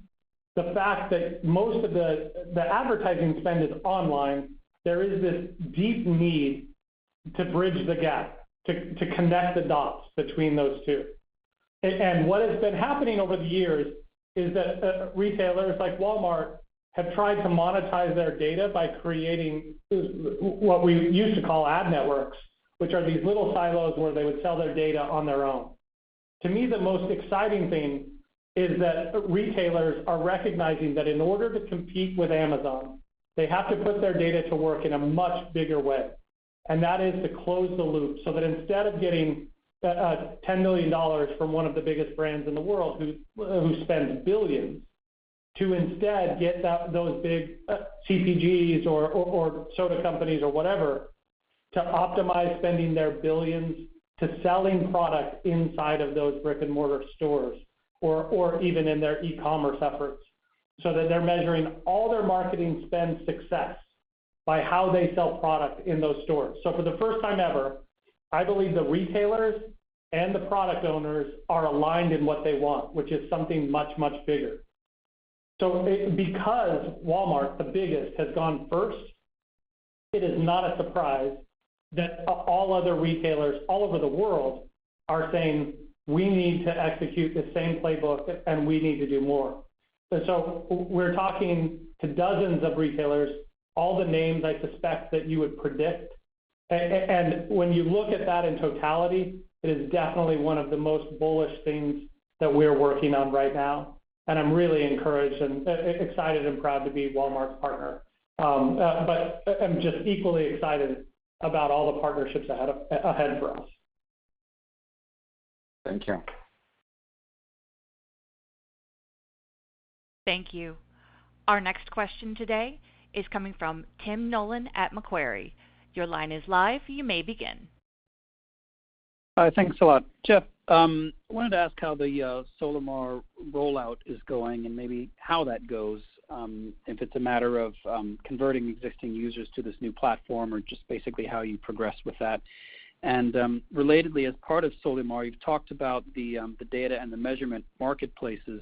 The fact that most of the advertising spend is online, there is this deep need to bridge the gap, to connect the dots between those two. What has been happening over the years is that retailers like Walmart have tried to monetize their data by creating what we used to call ad networks, which are these little silos where they would sell their data on their own. To me, the most exciting thing is that retailers are recognizing that in order to compete with Amazon, they have to put their data to work in a much bigger way. That is to close the loop so that instead of getting $10 million from one of the biggest brands in the world who spends billions to instead get those big CPGs or soda companies or whatever to optimize spending their billions to selling product inside of those brick-and-mortar stores or even in their e-commerce efforts, so that they're measuring all their marketing spend success by how they sell product in those stores. For the first time ever, I believe the retailers and the product owners are aligned in what they want, which is something much bigger. Because Walmart, the biggest, has gone first, it is not a surprise that all other retailers all over the world are saying, "We need to execute the same playbook, and we need to do more." We're talking to dozens of retailers, all the names I suspect that you would predict. When you look at that in totality, it is definitely one of the most bullish things that we're working on right now, and I'm really encouraged and excited and proud to be Walmart's partner. I'm just equally excited about all the partnerships ahead for us. Thank you. Thank you. Our next question today is coming from Tim Nollen at Macquarie. Your line is live. You may begin. Thanks a lot. Jeff, I wanted to ask how the Solimar rollout is going and maybe how that goes if it's a matter of converting existing users to this new platform or just basically how you progress with that. Relatedly, as part of Solimar, you've talked about the data and the measurement marketplaces.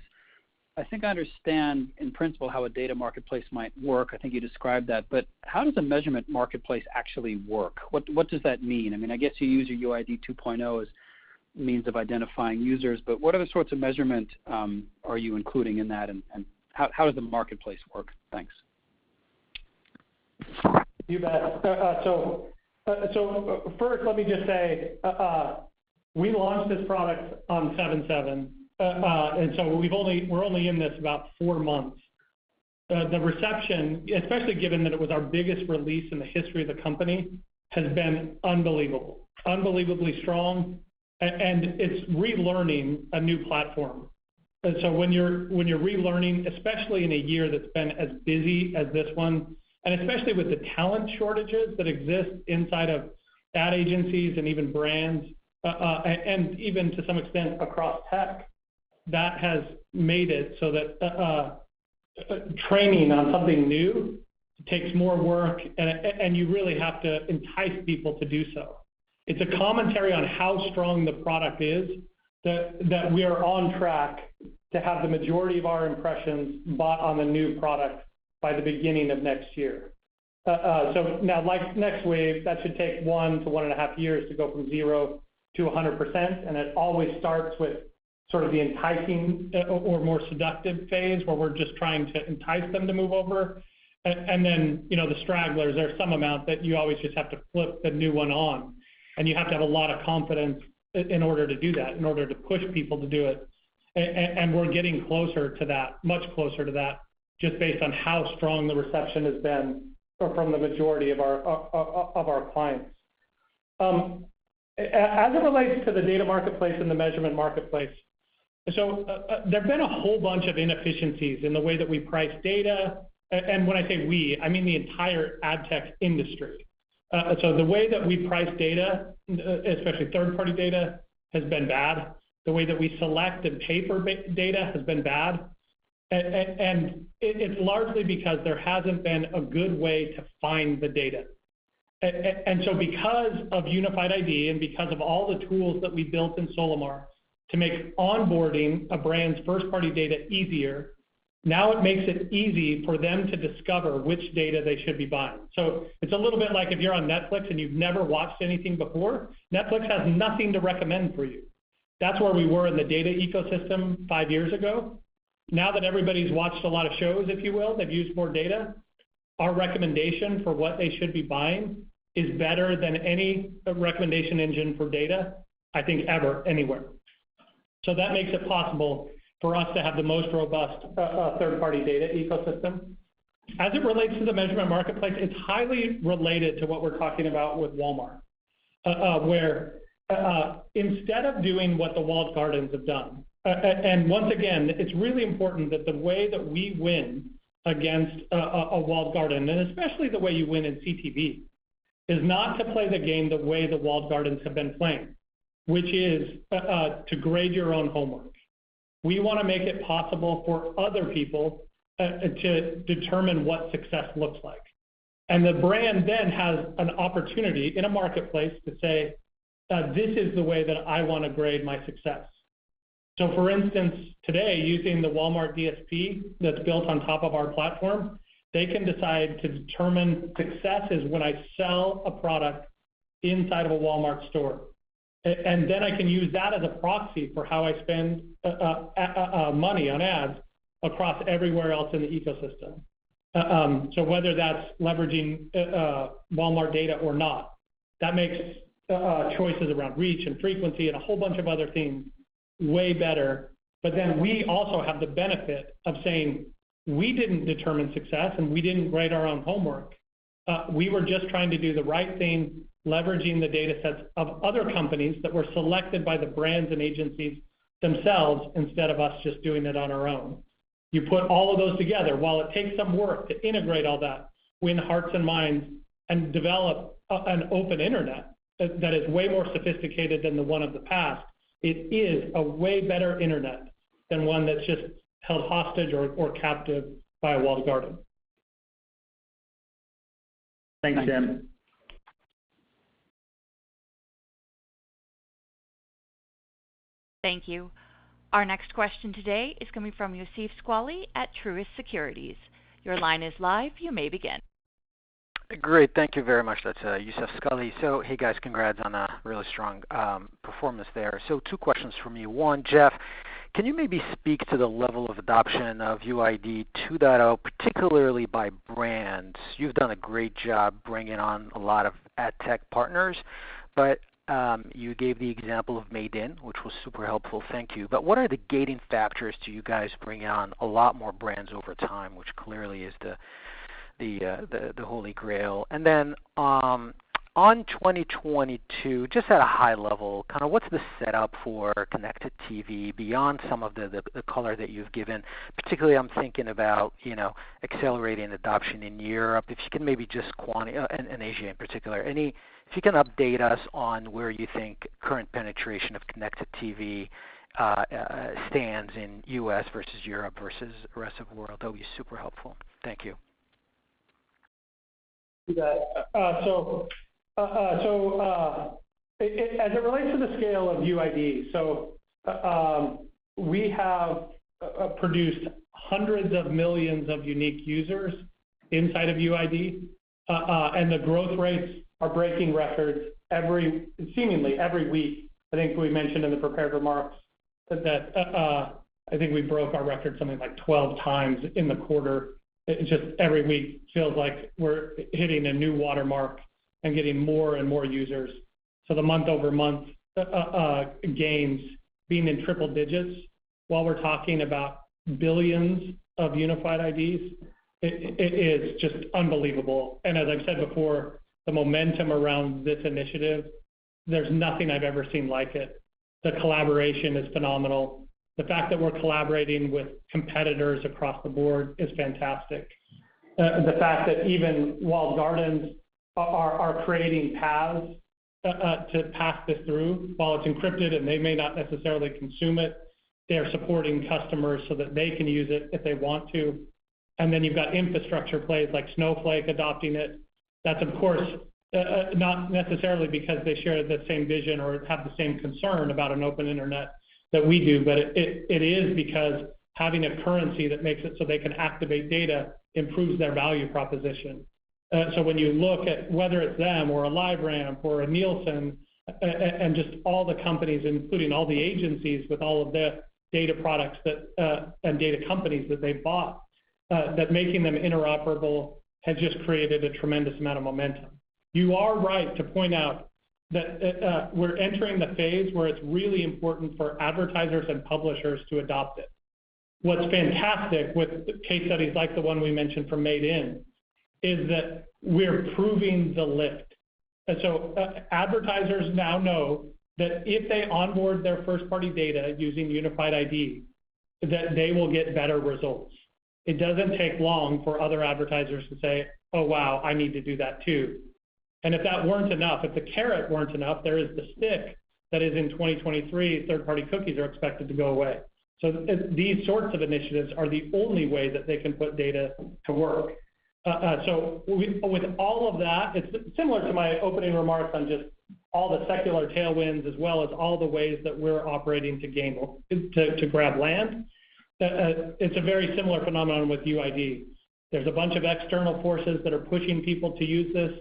I think I understand in principle how a data marketplace might work. I think you described that. But how does a measurement marketplace actually work? What does that mean? I mean, I guess you use your UID 2.0 as means of identifying users, but what other sorts of measurement are you including in that, and how does the marketplace work? Thanks. You bet. First, let me just say, we launched this product on 7/7. We're only in this about four months. The reception, especially given that it was our biggest release in the history of the company, has been unbelievable. Unbelievably strong, and it's relearning a new platform. When you're relearning, especially in a year that's been as busy as this one, and especially with the talent shortages that exist inside of ad agencies and even brands, and even to some extent across tech, that has made it so that training on something new takes more work, and you really have to entice people to do so. It's a commentary on how strong the product is that we are on track to have the majority of our impressions bought on the new product by the beginning of next year. Now, like Next Wave, that should take one to 1.5 years to go from 0% to 100%, and it always starts with sort of the enticing or more seductive phase, where we're just trying to entice them to move over. Then, you know, the stragglers, there's some amount that you always just have to flip the new one on, and you have to have a lot of confidence in order to do that, in order to push people to do it. We're getting closer to that, much closer to that, just based on how strong the reception has been from the majority of our clients. As it relates to the data marketplace and the measurement marketplace, there've been a whole bunch of inefficiencies in the way that we price data. When I say we, I mean the entire ad tech industry. The way that we price data, especially third-party data, has been bad. The way that we select and pay for data has been bad. It's largely because there hasn't been a good way to find the data. Because of Unified ID and because of all the tools that we built in Solimar to make onboarding a brand's first-party data easier, now it makes it easy for them to discover which data they should be buying. It's a little bit like if you're on Netflix and you've never watched anything before, Netflix has nothing to recommend for you. That's where we were in the data ecosystem five years ago. Now that everybody's watched a lot of shows, if you will, they've used more data, our recommendation for what they should be buying is better than any recommendation engine for data, I think ever, anywhere. That makes it possible for us to have the most robust third-party data ecosystem. As it relates to the measurement marketplace, it's highly related to what we're talking about with Walmart, where instead of doing what the walled gardens have done and once again, it's really important that the way that we win against a walled garden, and especially the way you win in CTV, is not to play the game the way the walled gardens have been playing, which is to grade your own homework. We wanna make it possible for other people to determine what success looks like. The brand then has an opportunity in a marketplace to say, "this is the way that I wanna grade my success." For instance, today, using the Walmart DSP that's built on top of our platform, they can decide to determine success is when I sell a product inside of a Walmart store. And then I can use that as a proxy for how I spend money on ads across everywhere else in the ecosystem. Whether that's leveraging Walmart data or not, that makes choices around reach and frequency and a whole bunch of other things way better. We also have the benefit of saying, we didn't determine success, and we didn't grade our own homework. We were just trying to do the right thing, leveraging the data sets of other companies that were selected by the brands and agencies themselves, instead of us just doing it on our own. You put all of those together. While it takes some work to integrate all that, win hearts and minds, and develop an open internet that is way more sophisticated than the one of the past, it is a way better internet than one that's just held hostage or captive by a walled garden. Thanks, Jeff. Thank you. Our next question today is coming from Youssef Squali at Truist Securities. Your line is live. You may begin. Great. Thank you very much. That's Youssef Squali. Hey, guys, congrats on a really strong performance there. Two questions from me. One, Jeff, can you maybe speak to the level of adoption of UID 2.0, particularly by brands? You've done a great job bringing on a lot of ad tech partners, but you gave the example of Made In, which was super helpful. Thank you. What are the gating factors to you guys bringing on a lot more brands over time, which clearly is the holy grail? Then, on 2022, just at a high level, kind of what's the setup for connected TV beyond some of the color that you've given? Particularly, I'm thinking about you know accelerating adoption in Europe. If you can maybe just quantify in Asia in particular. If you can update us on where you think current penetration of Connected TV stands in U.S. versus Europe versus the rest of the world, that would be super helpful. Thank you. You bet. As it relates to the scale of UID, we have produced hundreds of millions of unique users inside of UID, and the growth rates are breaking records seemingly every week. I think we mentioned in the prepared remarks that I think we broke our record something like 12x in the quarter. It's just every week feels like we're hitting a new watermark and getting more and more users. The month-over-month gains being in triple digits while we're talking about billions of Unified IDs, it is just unbelievable. As I've said before, the momentum around this initiative, there's nothing I've ever seen like it. The collaboration is phenomenal. The fact that we're collaborating with competitors across the board is fantastic. The fact that even walled gardens are creating paths to pass this through while it's encrypted, and they may not necessarily consume it, they are supporting customers so that they can use it if they want to. Then you've got infrastructure plays like Snowflake adopting it. That's of course not necessarily because they share the same vision or have the same concern about an open internet that we do, but it is because having a currency that makes it so they can activate data improves their value proposition. So when you look at whether it's them or a LiveRamp or a Nielsen and just all the companies, including all the agencies with all of the data products that and data companies that they've bought, that making them interoperable has just created a tremendous amount of momentum. You are right to point out that we're entering the phase where it's really important for advertisers and publishers to adopt it. What's fantastic with case studies like the one we mentioned from Made In is that we're proving the lift. Advertisers now know that if they onboard their first-party data using Unified ID, that they will get better results. It doesn't take long for other advertisers to say, "Oh, wow, I need to do that too." If that weren't enough, if the carrot weren't enough, there is the stick that is in 2023, third-party cookies are expected to go away. These sorts of initiatives are the only way that they can put data to work. With all of that, it's similar to my opening remarks on just all the secular tailwinds as well as all the ways that we're operating to grab land. It's a very similar phenomenon with UID. There's a bunch of external forces that are pushing people to use this,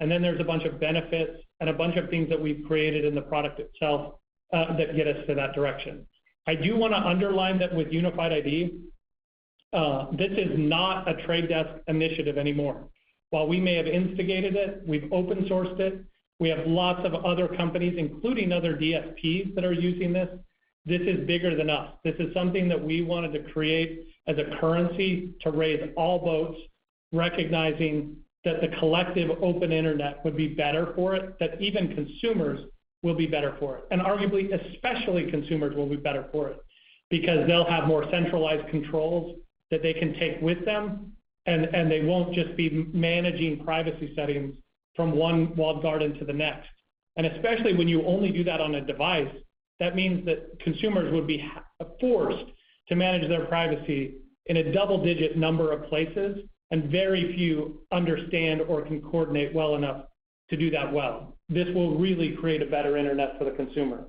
and then there's a bunch of benefits and a bunch of things that we've created in the product itself that get us to that direction. I do wanna underline that with Unified ID, this is not a The Trade Desk initiative anymore. While we may have instigated it, we've open sourced it. We have lots of other companies, including other DSPs, that are using this. This is bigger than us. This is something that we wanted to create as a currency to raise all boats, recognizing that the collective open internet would be better for it, that even consumers will be better for it, and arguably, especially consumers will be better for it because they'll have more centralized controls that they can take with them and they won't just be managing privacy settings from one walled garden to the next. Especially when you only do that on a device, that means that consumers would be forced to manage their privacy in a double-digit number of places, and very few understand or can coordinate well enough to do that well. This will really create a better internet for the consumer.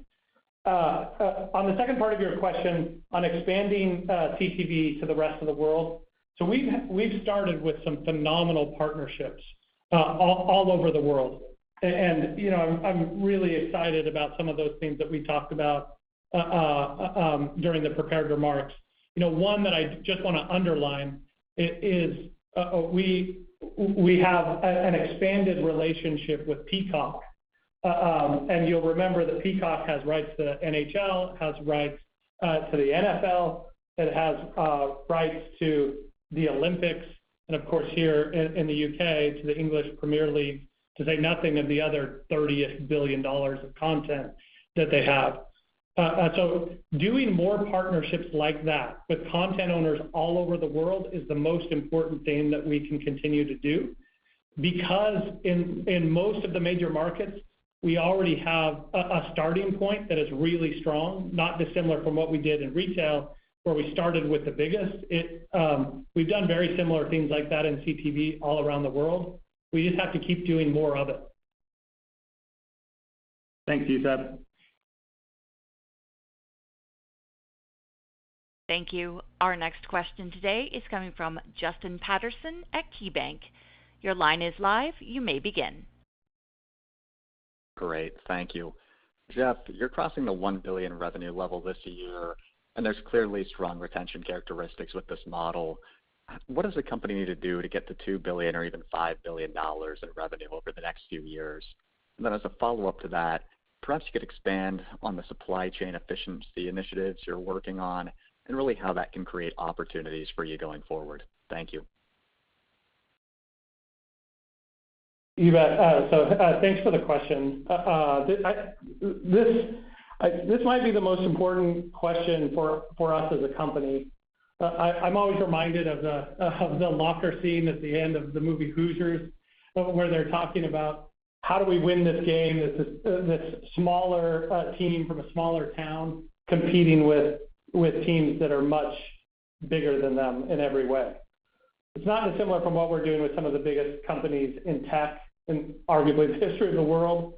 On the second part of your question on expanding CTV to the rest of the world, we've started with some phenomenal partnerships all over the world. You know, I'm really excited about some of those things that we talked about during the prepared remarks. You know, one that I just wanna underline is we have an expanded relationship with Peacock. You'll remember that Peacock has rights to NHL, has rights to the NFL. It has rights to the Olympics, and of course, here in the U.K., to the English Premier League, to say nothing of the other $30 billion of content that they have. Doing more partnerships like that with content owners all over the world is the most important thing that we can continue to do. Because in most of the major markets, we already have a starting point that is really strong, not dissimilar from what we did in retail, where we started with the biggest. We've done very similar things like that in CTV all around the world. We just have to keep doing more of it. Thanks, Jeff. Thank you. Our next question today is coming from Justin Patterson at KeyBanc. Your line is live, you may begin. Great. Thank you. Jeff, you're crossing the $1 billion revenue level this year, and there's clearly strong retention characteristics with this model. What does the company need to do to get to $2 billion or even $5 billion in revenue over the next few years? And then as a follow-up to that, perhaps you could expand on the supply chain efficiency initiatives you're working on and really how that can create opportunities for you going forward. Thank you. You bet. Thanks for the question. This might be the most important question for us as a company. I'm always reminded of the locker scene at the end of the movie Hoosiers, where they're talking about how do we win this game as this smaller team from a smaller town competing with teams that are much bigger than them in every way. It's not dissimilar from what we're doing with some of the biggest companies in tech, in arguably the history of the world.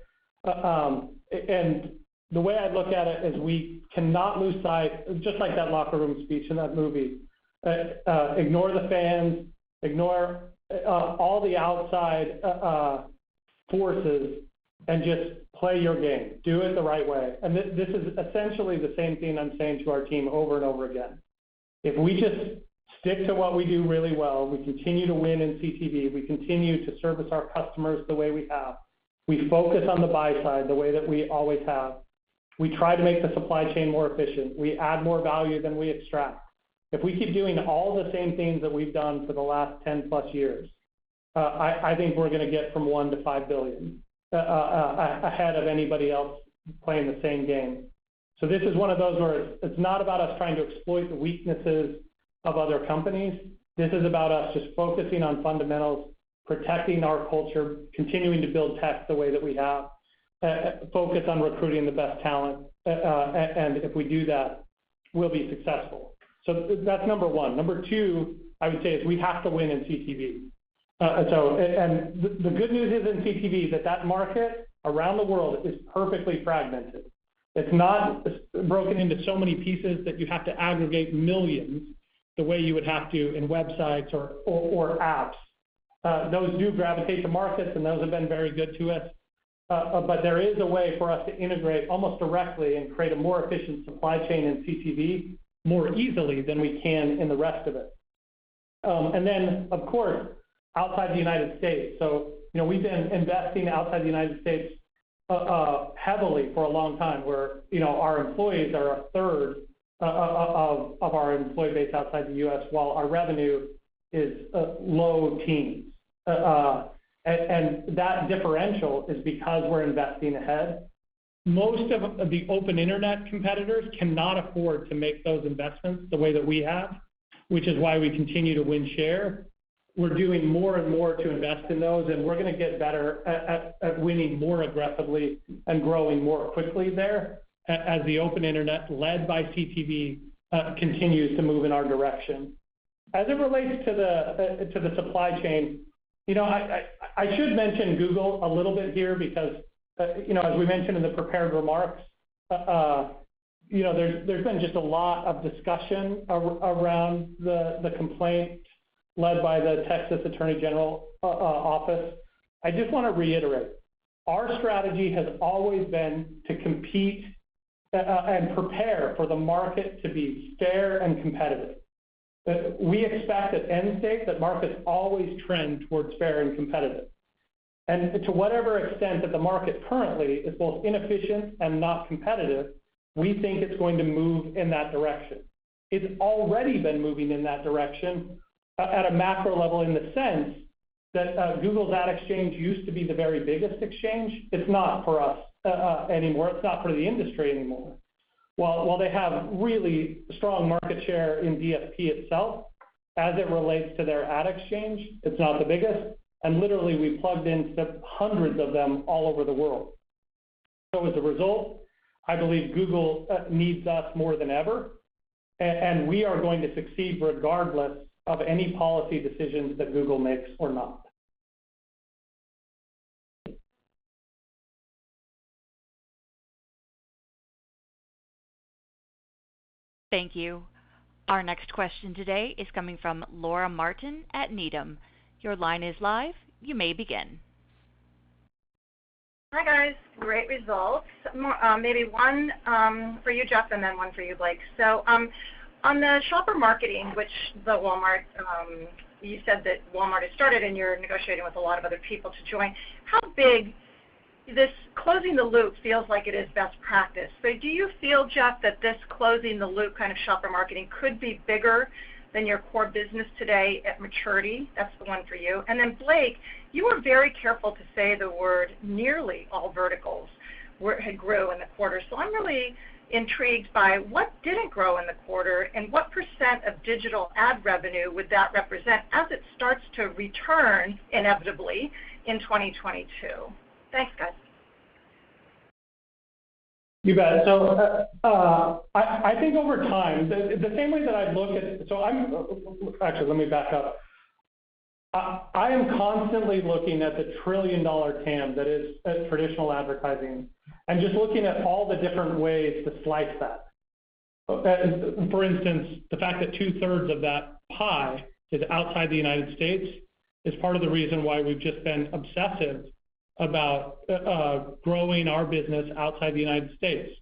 And the way I look at it is we cannot lose sight, just like that locker room speech in that movie. Ignore the fans, ignore all the outside forces and just play your game, do it the right way. This is essentially the same thing I'm saying to our team over and over again. If we just stick to what we do really well, we continue to win in CTV, we continue to service our customers the way we have. We focus on the buy side, the way that we always have. We try to make the supply chain more efficient. We add more value than we extract. If we keep doing all the same things that we've done for the last 10+ years, I think we're gonna get from $1 billion-$5 billion ahead of anybody else playing the same game. This is one of those where it's not about us trying to exploit the weaknesses of other companies. This is about us just focusing on fundamentals, protecting our culture, continuing to build tech the way that we have, focus on recruiting the best talent. If we do that, we'll be successful. That's number one. Number two, I would say, is we have to win in CTV. The good news is in CTV, that market around the world is perfectly fragmented. It's not broken into so many pieces that you have to aggregate millions the way you would have to in websites or apps. Those do gravitate to markets, and those have been very good to us. There is a way for us to integrate almost directly and create a more efficient supply chain in CTV more easily than we can in the rest of it, of course, outside the United States. You know, we've been investing outside the United States heavily for a long time, where our employees are a third of our employee base outside the U.S., while our revenue is low teens. That differential is because we're investing ahead. Most of the open internet competitors cannot afford to make those investments the way that we have, which is why we continue to win share. We're doing more and more to invest in those, and we're gonna get better at winning more aggressively and growing more quickly there as the open internet, led by CTV, continues to move in our direction. As it relates to the supply chain, you know, I should mention Google a little bit here because, you know, as we mentioned in the prepared remarks, you know, there's been just a lot of discussion around the complaint led by the Texas Attorney General office. I just wanna reiterate, our strategy has always been to compete and prepare for the market to be fair and competitive. We expect at end state that markets always trend towards fair and competitive. To whatever extent that the market currently is both inefficient and not competitive, we think it's going to move in that direction. It's already been moving in that direction at a macro level in the sense that Google's ad exchange used to be the very biggest exchange. It's not for us anymore. It's not for the industry anymore. While they have really strong market share in DSP itself, as it relates to their ad exchange, it's not the biggest. Literally, we plugged into hundreds of them all over the world. As a result, I believe Google needs us more than ever, and we are going to succeed regardless of any policy decisions that Google makes or not. Thank you. Our next question today is coming from Laura Martin at Needham. Your line is live, you may begin. Hi, guys. Great results. More, maybe one for you, Jeff, and then one for you, Blake. On the shopper marketing, which the Walmart, you said that Walmart has started and you're negotiating with a lot of other people to join, how big This closing the loop feels like it is best practice. Do you feel, Jeff, that this closing the loop kind of shopper marketing could be bigger than your core business today at maturity? That's the one for you. Then Blake, you were very careful to say the word nearly all verticals had grew in the quarter. I'm really intrigued by what didn't grow in the quarter, and what percent of digital ad revenue would that represent as it starts to return inevitably in 2022. Thanks, guys. You bet. Actually, let me back up. I am constantly looking at the $1 trillion TAM that is traditional advertising and just looking at all the different ways to slice that. For instance, the fact that two-thirds of that pie is outside the United States is part of the reason why we've just been obsessive about growing our business outside the United States.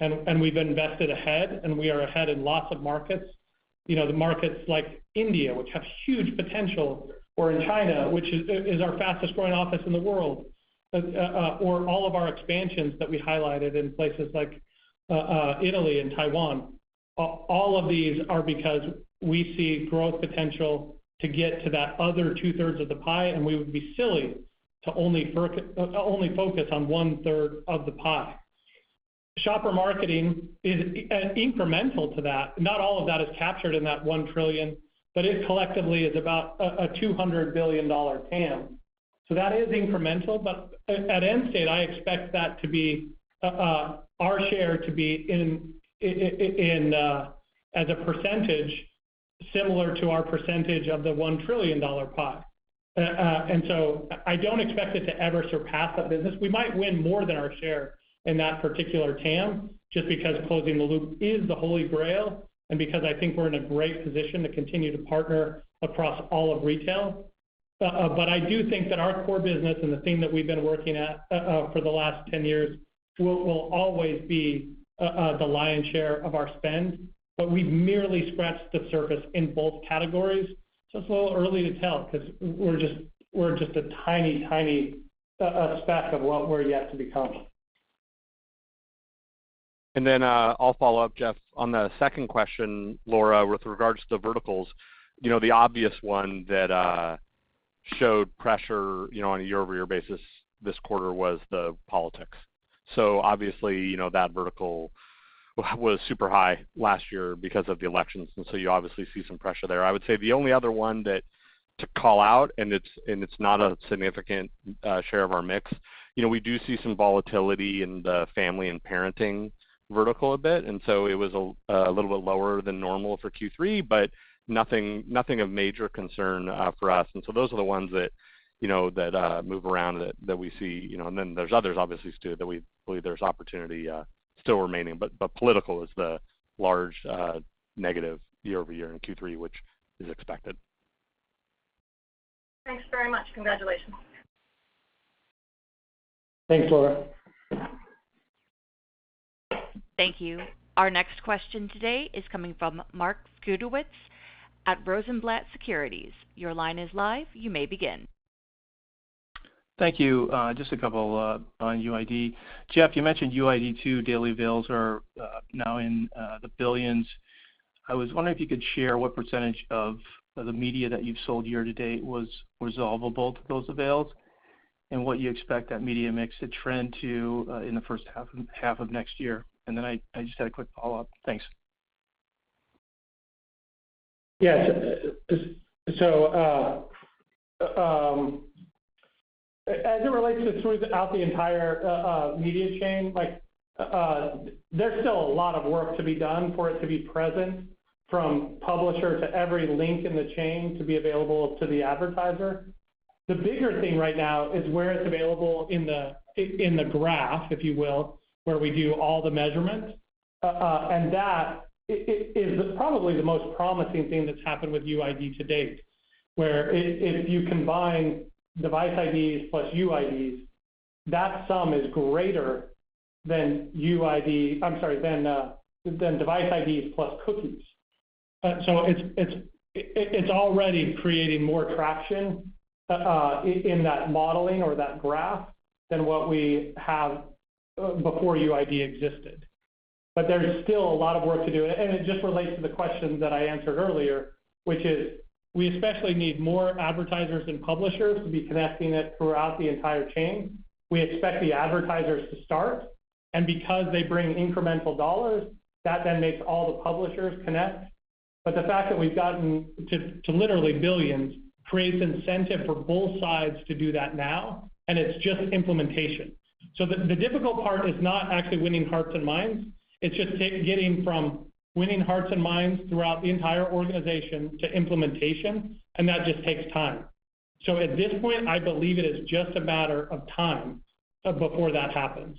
We've invested ahead, and we are ahead in lots of markets. You know, the markets like India, which have huge potential, or in China, which is our fastest-growing office in the world, or all of our expansions that we highlighted in places like Italy and Taiwan. All of these are because we see growth potential to get to that other 2/3 of the pie, and we would be silly to only focus on 1/3 of the pie. Shopper marketing is incremental to that. Not all of that is captured in that $1 trillion, but it collectively is about a $200 billion TAM. That is incremental, but at end state, I expect that to be our share to be in as a percentage similar to our percentage of the $1 trillion pie. I don't expect it to ever surpass that business. We might win more than our share in that particular TAM just because closing the loop is the Holy Grail and because I think we're in a great position to continue to partner across all of retail. I do think that our core business and the thing that we've been working at for the last 10 years will always be the lion's share of our spend, but we've merely scratched the surface in both categories. It's a little early to tell because we're just a tiny speck of what we're yet to become. I'll follow up, Jeff, on the second question, Laura, with regards to verticals. You know, the obvious one that showed pressure, you know, on a year-over-year basis this quarter was the politics. Obviously, you know, that vertical was super high last year because of the elections, and you obviously see some pressure there. I would say the only other one that to call out, and it's not a significant share of our mix, you know, we do see some volatility in the family and parenting vertical a bit, and it was a little bit lower than normal for Q3, but nothing of major concern for us. Those are the ones that, you know, that move around that we see, you know. Then there's others obviously too that we believe there's opportunity still remaining. Political is the large negative year-over-year in Q3, which is expected. Thanks very much. Congratulations. Thanks, Laura. Thank you. Our next question today is coming from Mark Zgutowiczowitz at Rosenblatt Securities. Your line is live. You may begin. Thank you. Just a couple on UID. Jeff, you mentioned UID 2 daily avails are now in the billions. I was wondering if you could share what percentage of the media that you've sold year to date was resolvable to those avails and what you expect that media mix to trend to in the first half of next year. I just had a quick follow-up. Thanks. Yes. As it relates to throughout the entire media chain, like, there's still a lot of work to be done for it to be present from publisher to every link in the chain to be available to the advertiser. The bigger thing right now is where it's available in the graph, if you will, where we do all the measurements. That is probably the most promising thing that's happened with UID to date, where if you combine device IDs plus UIDs, that sum is greater than UID. I'm sorry, than device IDs plus cookies. It's already creating more traction in that modeling or that graph than what we have before UID existed. There's still a lot of work to do. It just relates to the question that I answered earlier, which is we especially need more advertisers and publishers to be connecting it throughout the entire chain. We expect the advertisers to start, and because they bring incremental dollars, that then makes all the publishers connect. The fact that we've gotten to literally billions creates incentive for both sides to do that now, and it's just implementation. The difficult part is not actually winning hearts and minds. It's just getting from winning hearts and minds throughout the entire organization to implementation, and that just takes time. At this point, I believe it is just a matter of time before that happens.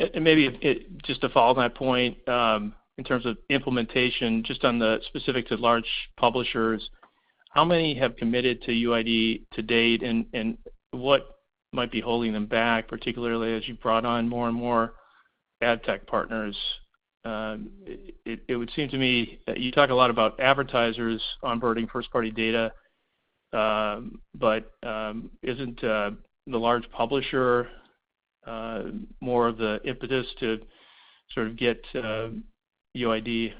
Just to follow that point, in terms of implementation, just specific to large publishers, how many have committed to UID to date and what might be holding them back, particularly as you brought on more and more ad tech partners. It would seem to me that you talk a lot about advertisers onboarding first-party data, but isn't the large publisher more of the impetus to sort of get UID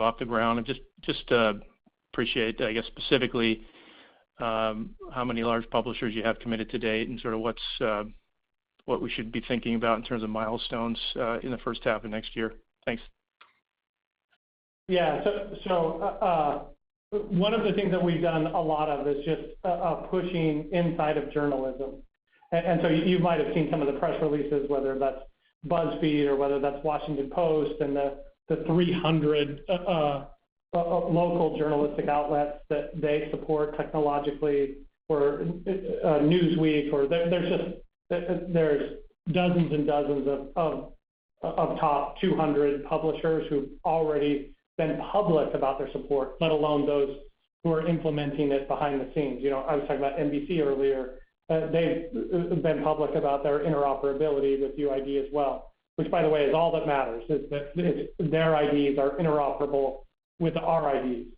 off the ground? Just appreciate, I guess, specifically, how many large publishers you have committed to date and sort of what we should be thinking about in terms of milestones in the first half of next year. Thanks. One of the things that we've done a lot of is just pushing inside of journalism. You might have seen some of the press releases, whether that's BuzzFeed or whether that's Washington Post and the 300 local journalistic outlets that they support technologically, or Newsweek, or there's just dozens and dozens of top 200 publishers who've already been public about their support, let alone those who are implementing it behind the scenes. You know, I was talking about NBC earlier. They've been public about their interoperability with UID as well, which, by the way, is all that matters, is that their IDs are interoperable with our IDs.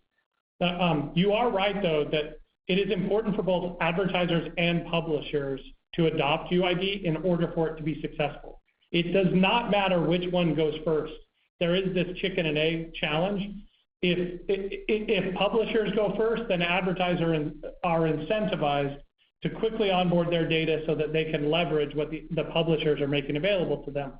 You are right, though, that it is important for both advertisers and publishers to adopt UID in order for it to be successful. It does not matter which one goes first. There is this chicken and egg challenge. If publishers go first, then advertisers are incentivized to quickly onboard their data so that they can leverage what the publishers are making available to them.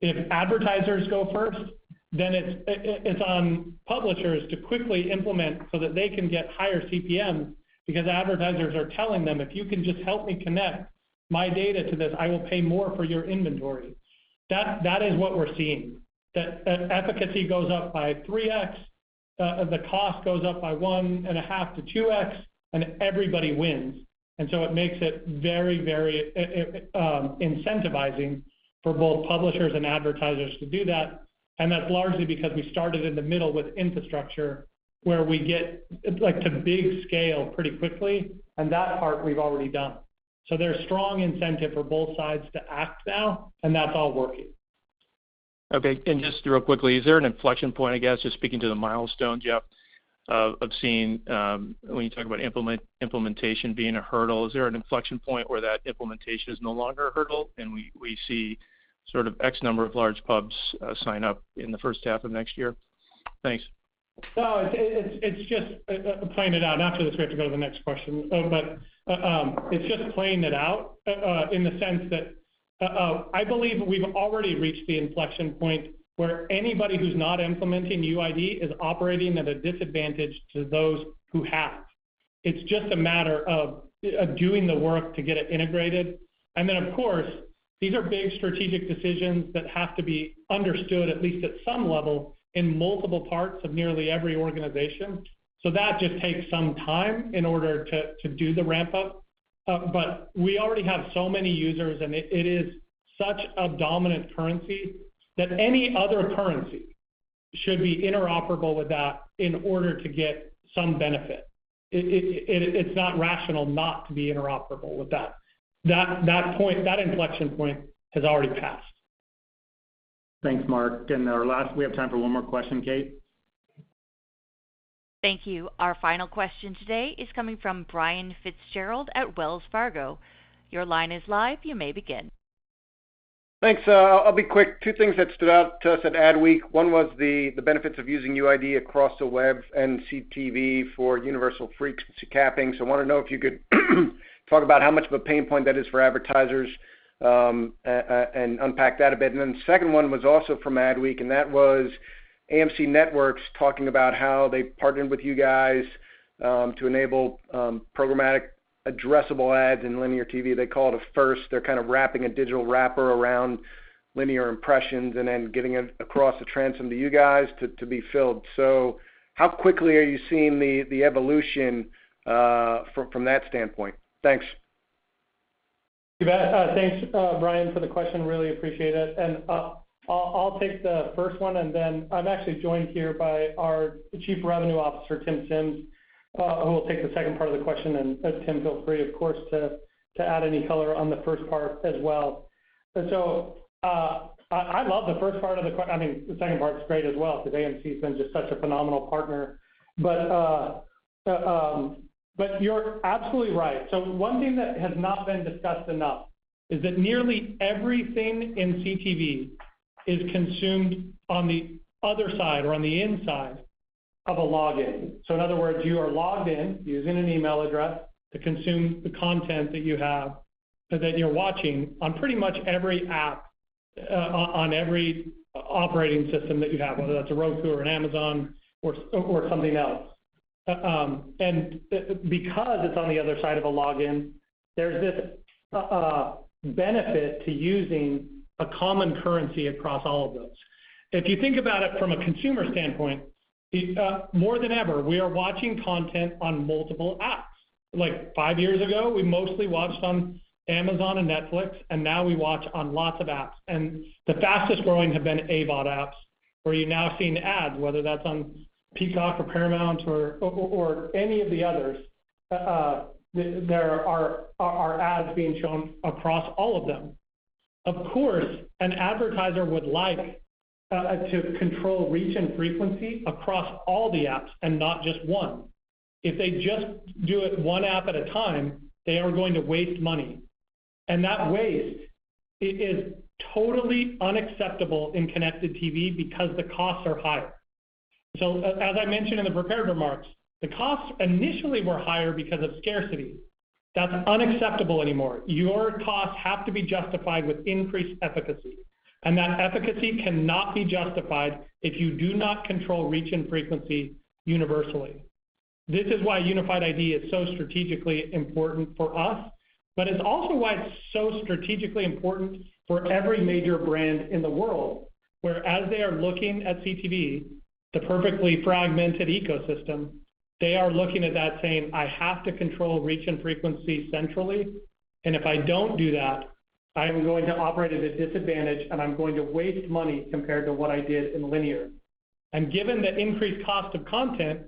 If advertisers go first, then it's on publishers to quickly implement so that they can get higher CPM because advertisers are telling them, "If you can just help me connect my data to this, I will pay more for your inventory." That is what we're seeing, that efficacy goes up by 3x, the cost goes up by 1.5-2x, and everybody wins. It makes it very incentivizing for both publishers and advertisers to do that. That's largely because we started in the middle with infrastructure, where we get, like, to big scale pretty quickly, and that part we've already done. There's strong incentive for both sides to act now, and that's all working. Okay, just real quickly, is there an inflection point, I guess, just speaking to the milestones you have, of seeing, when you talk about implementation being a hurdle, is there an inflection point where that implementation is no longer a hurdle and we see sort of X number of large pubs sign up in the first half of next year? Thanks. No, it's just playing it out. After this, we have to go to the next question. It's just playing it out in the sense that I believe we've already reached the inflection point where anybody who's not implementing UID is operating at a disadvantage to those who have. It's just a matter of doing the work to get it integrated. Then, of course, these are big strategic decisions that have to be understood, at least at some level, in multiple parts of nearly every organization. That just takes some time in order to do the ramp up. We already have so many users, and it is such a dominant currency that any other currency should be interoperable with that in order to get some benefit. It's not rational not to be interoperable with that. That point, that inflection point has already passed. Thanks, Mark. We have time for one more question, Kate. Thank you. Our final question today is coming from Brian Fitzgerald at Wells Fargo. Your line is live. You may begin. Thanks. I'll be quick. Two things that stood out to us at Adweek. One was the benefits of using UID across the web and CTV for universal frequency capping. I want to know if you could talk about how much of a pain point that is for advertisers and unpack that a bit. The second one was also from Adweek, and that was AMC Networks talking about how they partnered with you guys to enable programmatic addressable ads in linear TV. They call it a first. They're kind of wrapping a digital wrapper around linear impressions and then getting it across the transom to you guys to be filled. How quickly are you seeing the evolution from that standpoint? Thanks. You bet. Thanks, Brian, for the question. Really appreciate it. I'll take the first one, and then I'm actually joined here by our Chief Revenue Officer, Tim Sims, who will take the second part of the question. Tim, feel free, of course, to add any color on the first part as well. I love the first part. I mean, the second part's great as well, because AMC has been just such a phenomenal partner. You're absolutely right. One thing that has not been discussed enough is that nearly everything in CTV is consumed on the other side or on the inside of a login. In other words, you are logged in using an email address to consume the content that you have, that you're watching on pretty much every app, on every operating system that you have, whether that's a Roku or an Amazon or something else. And because it's on the other side of a login, there's this benefit to using a common currency across all of those. If you think about it from a consumer standpoint, more than ever, we are watching content on multiple apps. Like five years ago, we mostly watched on Amazon and Netflix, and now we watch on lots of apps. The fastest growing have been AVOD apps, where you're now seeing ads, whether that's on Peacock or Paramount or any of the others. There are ads being shown across all of them. Of course, an advertiser would like to control reach and frequency across all the apps and not just one. If they just do it one app at a time, they are going to waste money. That waste is totally unacceptable in connected TV because the costs are higher. As I mentioned in the prepared remarks, the costs initially were higher because of scarcity. That's unacceptable anymore. Your costs have to be justified with increased efficacy, and that efficacy cannot be justified if you do not control reach and frequency universally. This is why Unified ID is so strategically important for us, but it's also why it's so strategically important for every major brand in the world. Whereas they are looking at CTV, the perfectly fragmented ecosystem, they are looking at that saying, "I have to control reach and frequency centrally, and if I don't do that, I am going to operate at a disadvantage, and I'm going to waste money compared to what I did in linear." Given the increased cost of content,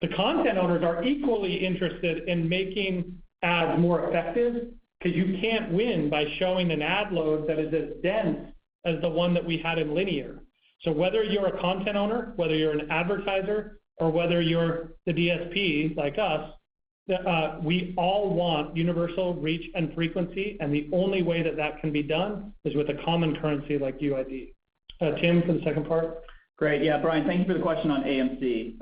the content owners are equally interested in making ads more effective because you can't win by showing an ad load that is as dense as the one that we had in linear. Whether you're a content owner, whether you're an advertiser, or whether you're the DSP like us, we all want universal reach and frequency, and the only way that that can be done is with a common currency like UID. Tim, for the second part. Great. Yeah, Brian, thank you for the question on AMC.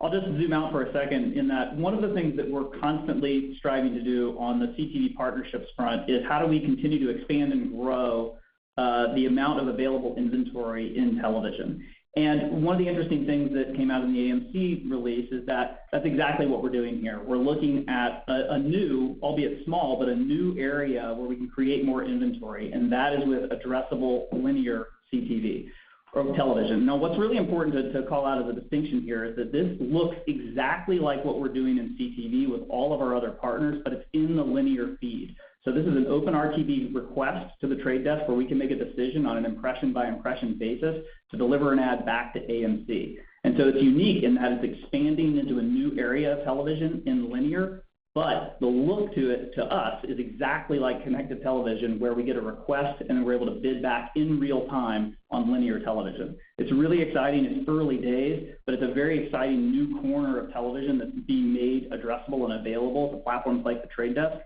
I'll just zoom out for a second in that one of the things that we're constantly striving to do on the CTV partnerships front is how do we continue to expand and grow the amount of available inventory in television. One of the interesting things that came out in the AMC release is that that's exactly what we're doing here. We're looking at a new, albeit small, area where we can create more inventory, and that is with addressable linear CTV or television. What's really important to call out as a distinction here is that this looks exactly like what we're doing in CTV with all of our other partners, but it's in the linear feed. This is an open RTB request to The Trade Desk where we can make a decision on an impression-by-impression basis to deliver an ad back to AMC. It's unique in that it's expanding into a new area of television in linear, but the look to it, to us is exactly like connected television, where we get a request and we're able to bid back in real-time on linear television. It's really exciting. It's early days, but it's a very exciting new corner of television that's being made addressable and available to platforms like The Trade Desk.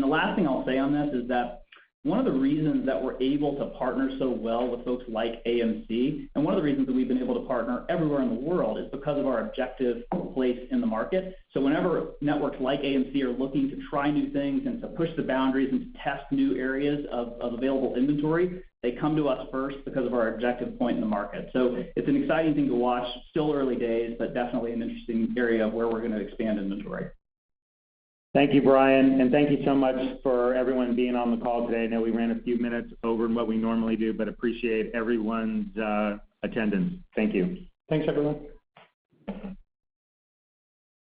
The last thing I'll say on this is that one of the reasons that we're able to partner so well with folks like AMC, and one of the reasons that we've been able to partner everywhere in the world is because of our objective place in the market. Whenever networks like AMC are looking to try new things and to push the boundaries and to test new areas of available inventory, they come to us first because of our objective point in the market. It's an exciting thing to watch. Still early days, but definitely an interesting area of where we're gonna expand inventory. Thank you, Brian, and thank you so much for everyone being on the call today. I know we ran a few minutes over than what we normally do, but appreciate everyone's attendance. Thank you. Thanks, everyone.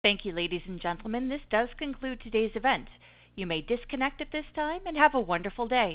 Thank you, ladies and gentlemen. This does conclude today's event. You may disconnect at this time and have a wonderful day.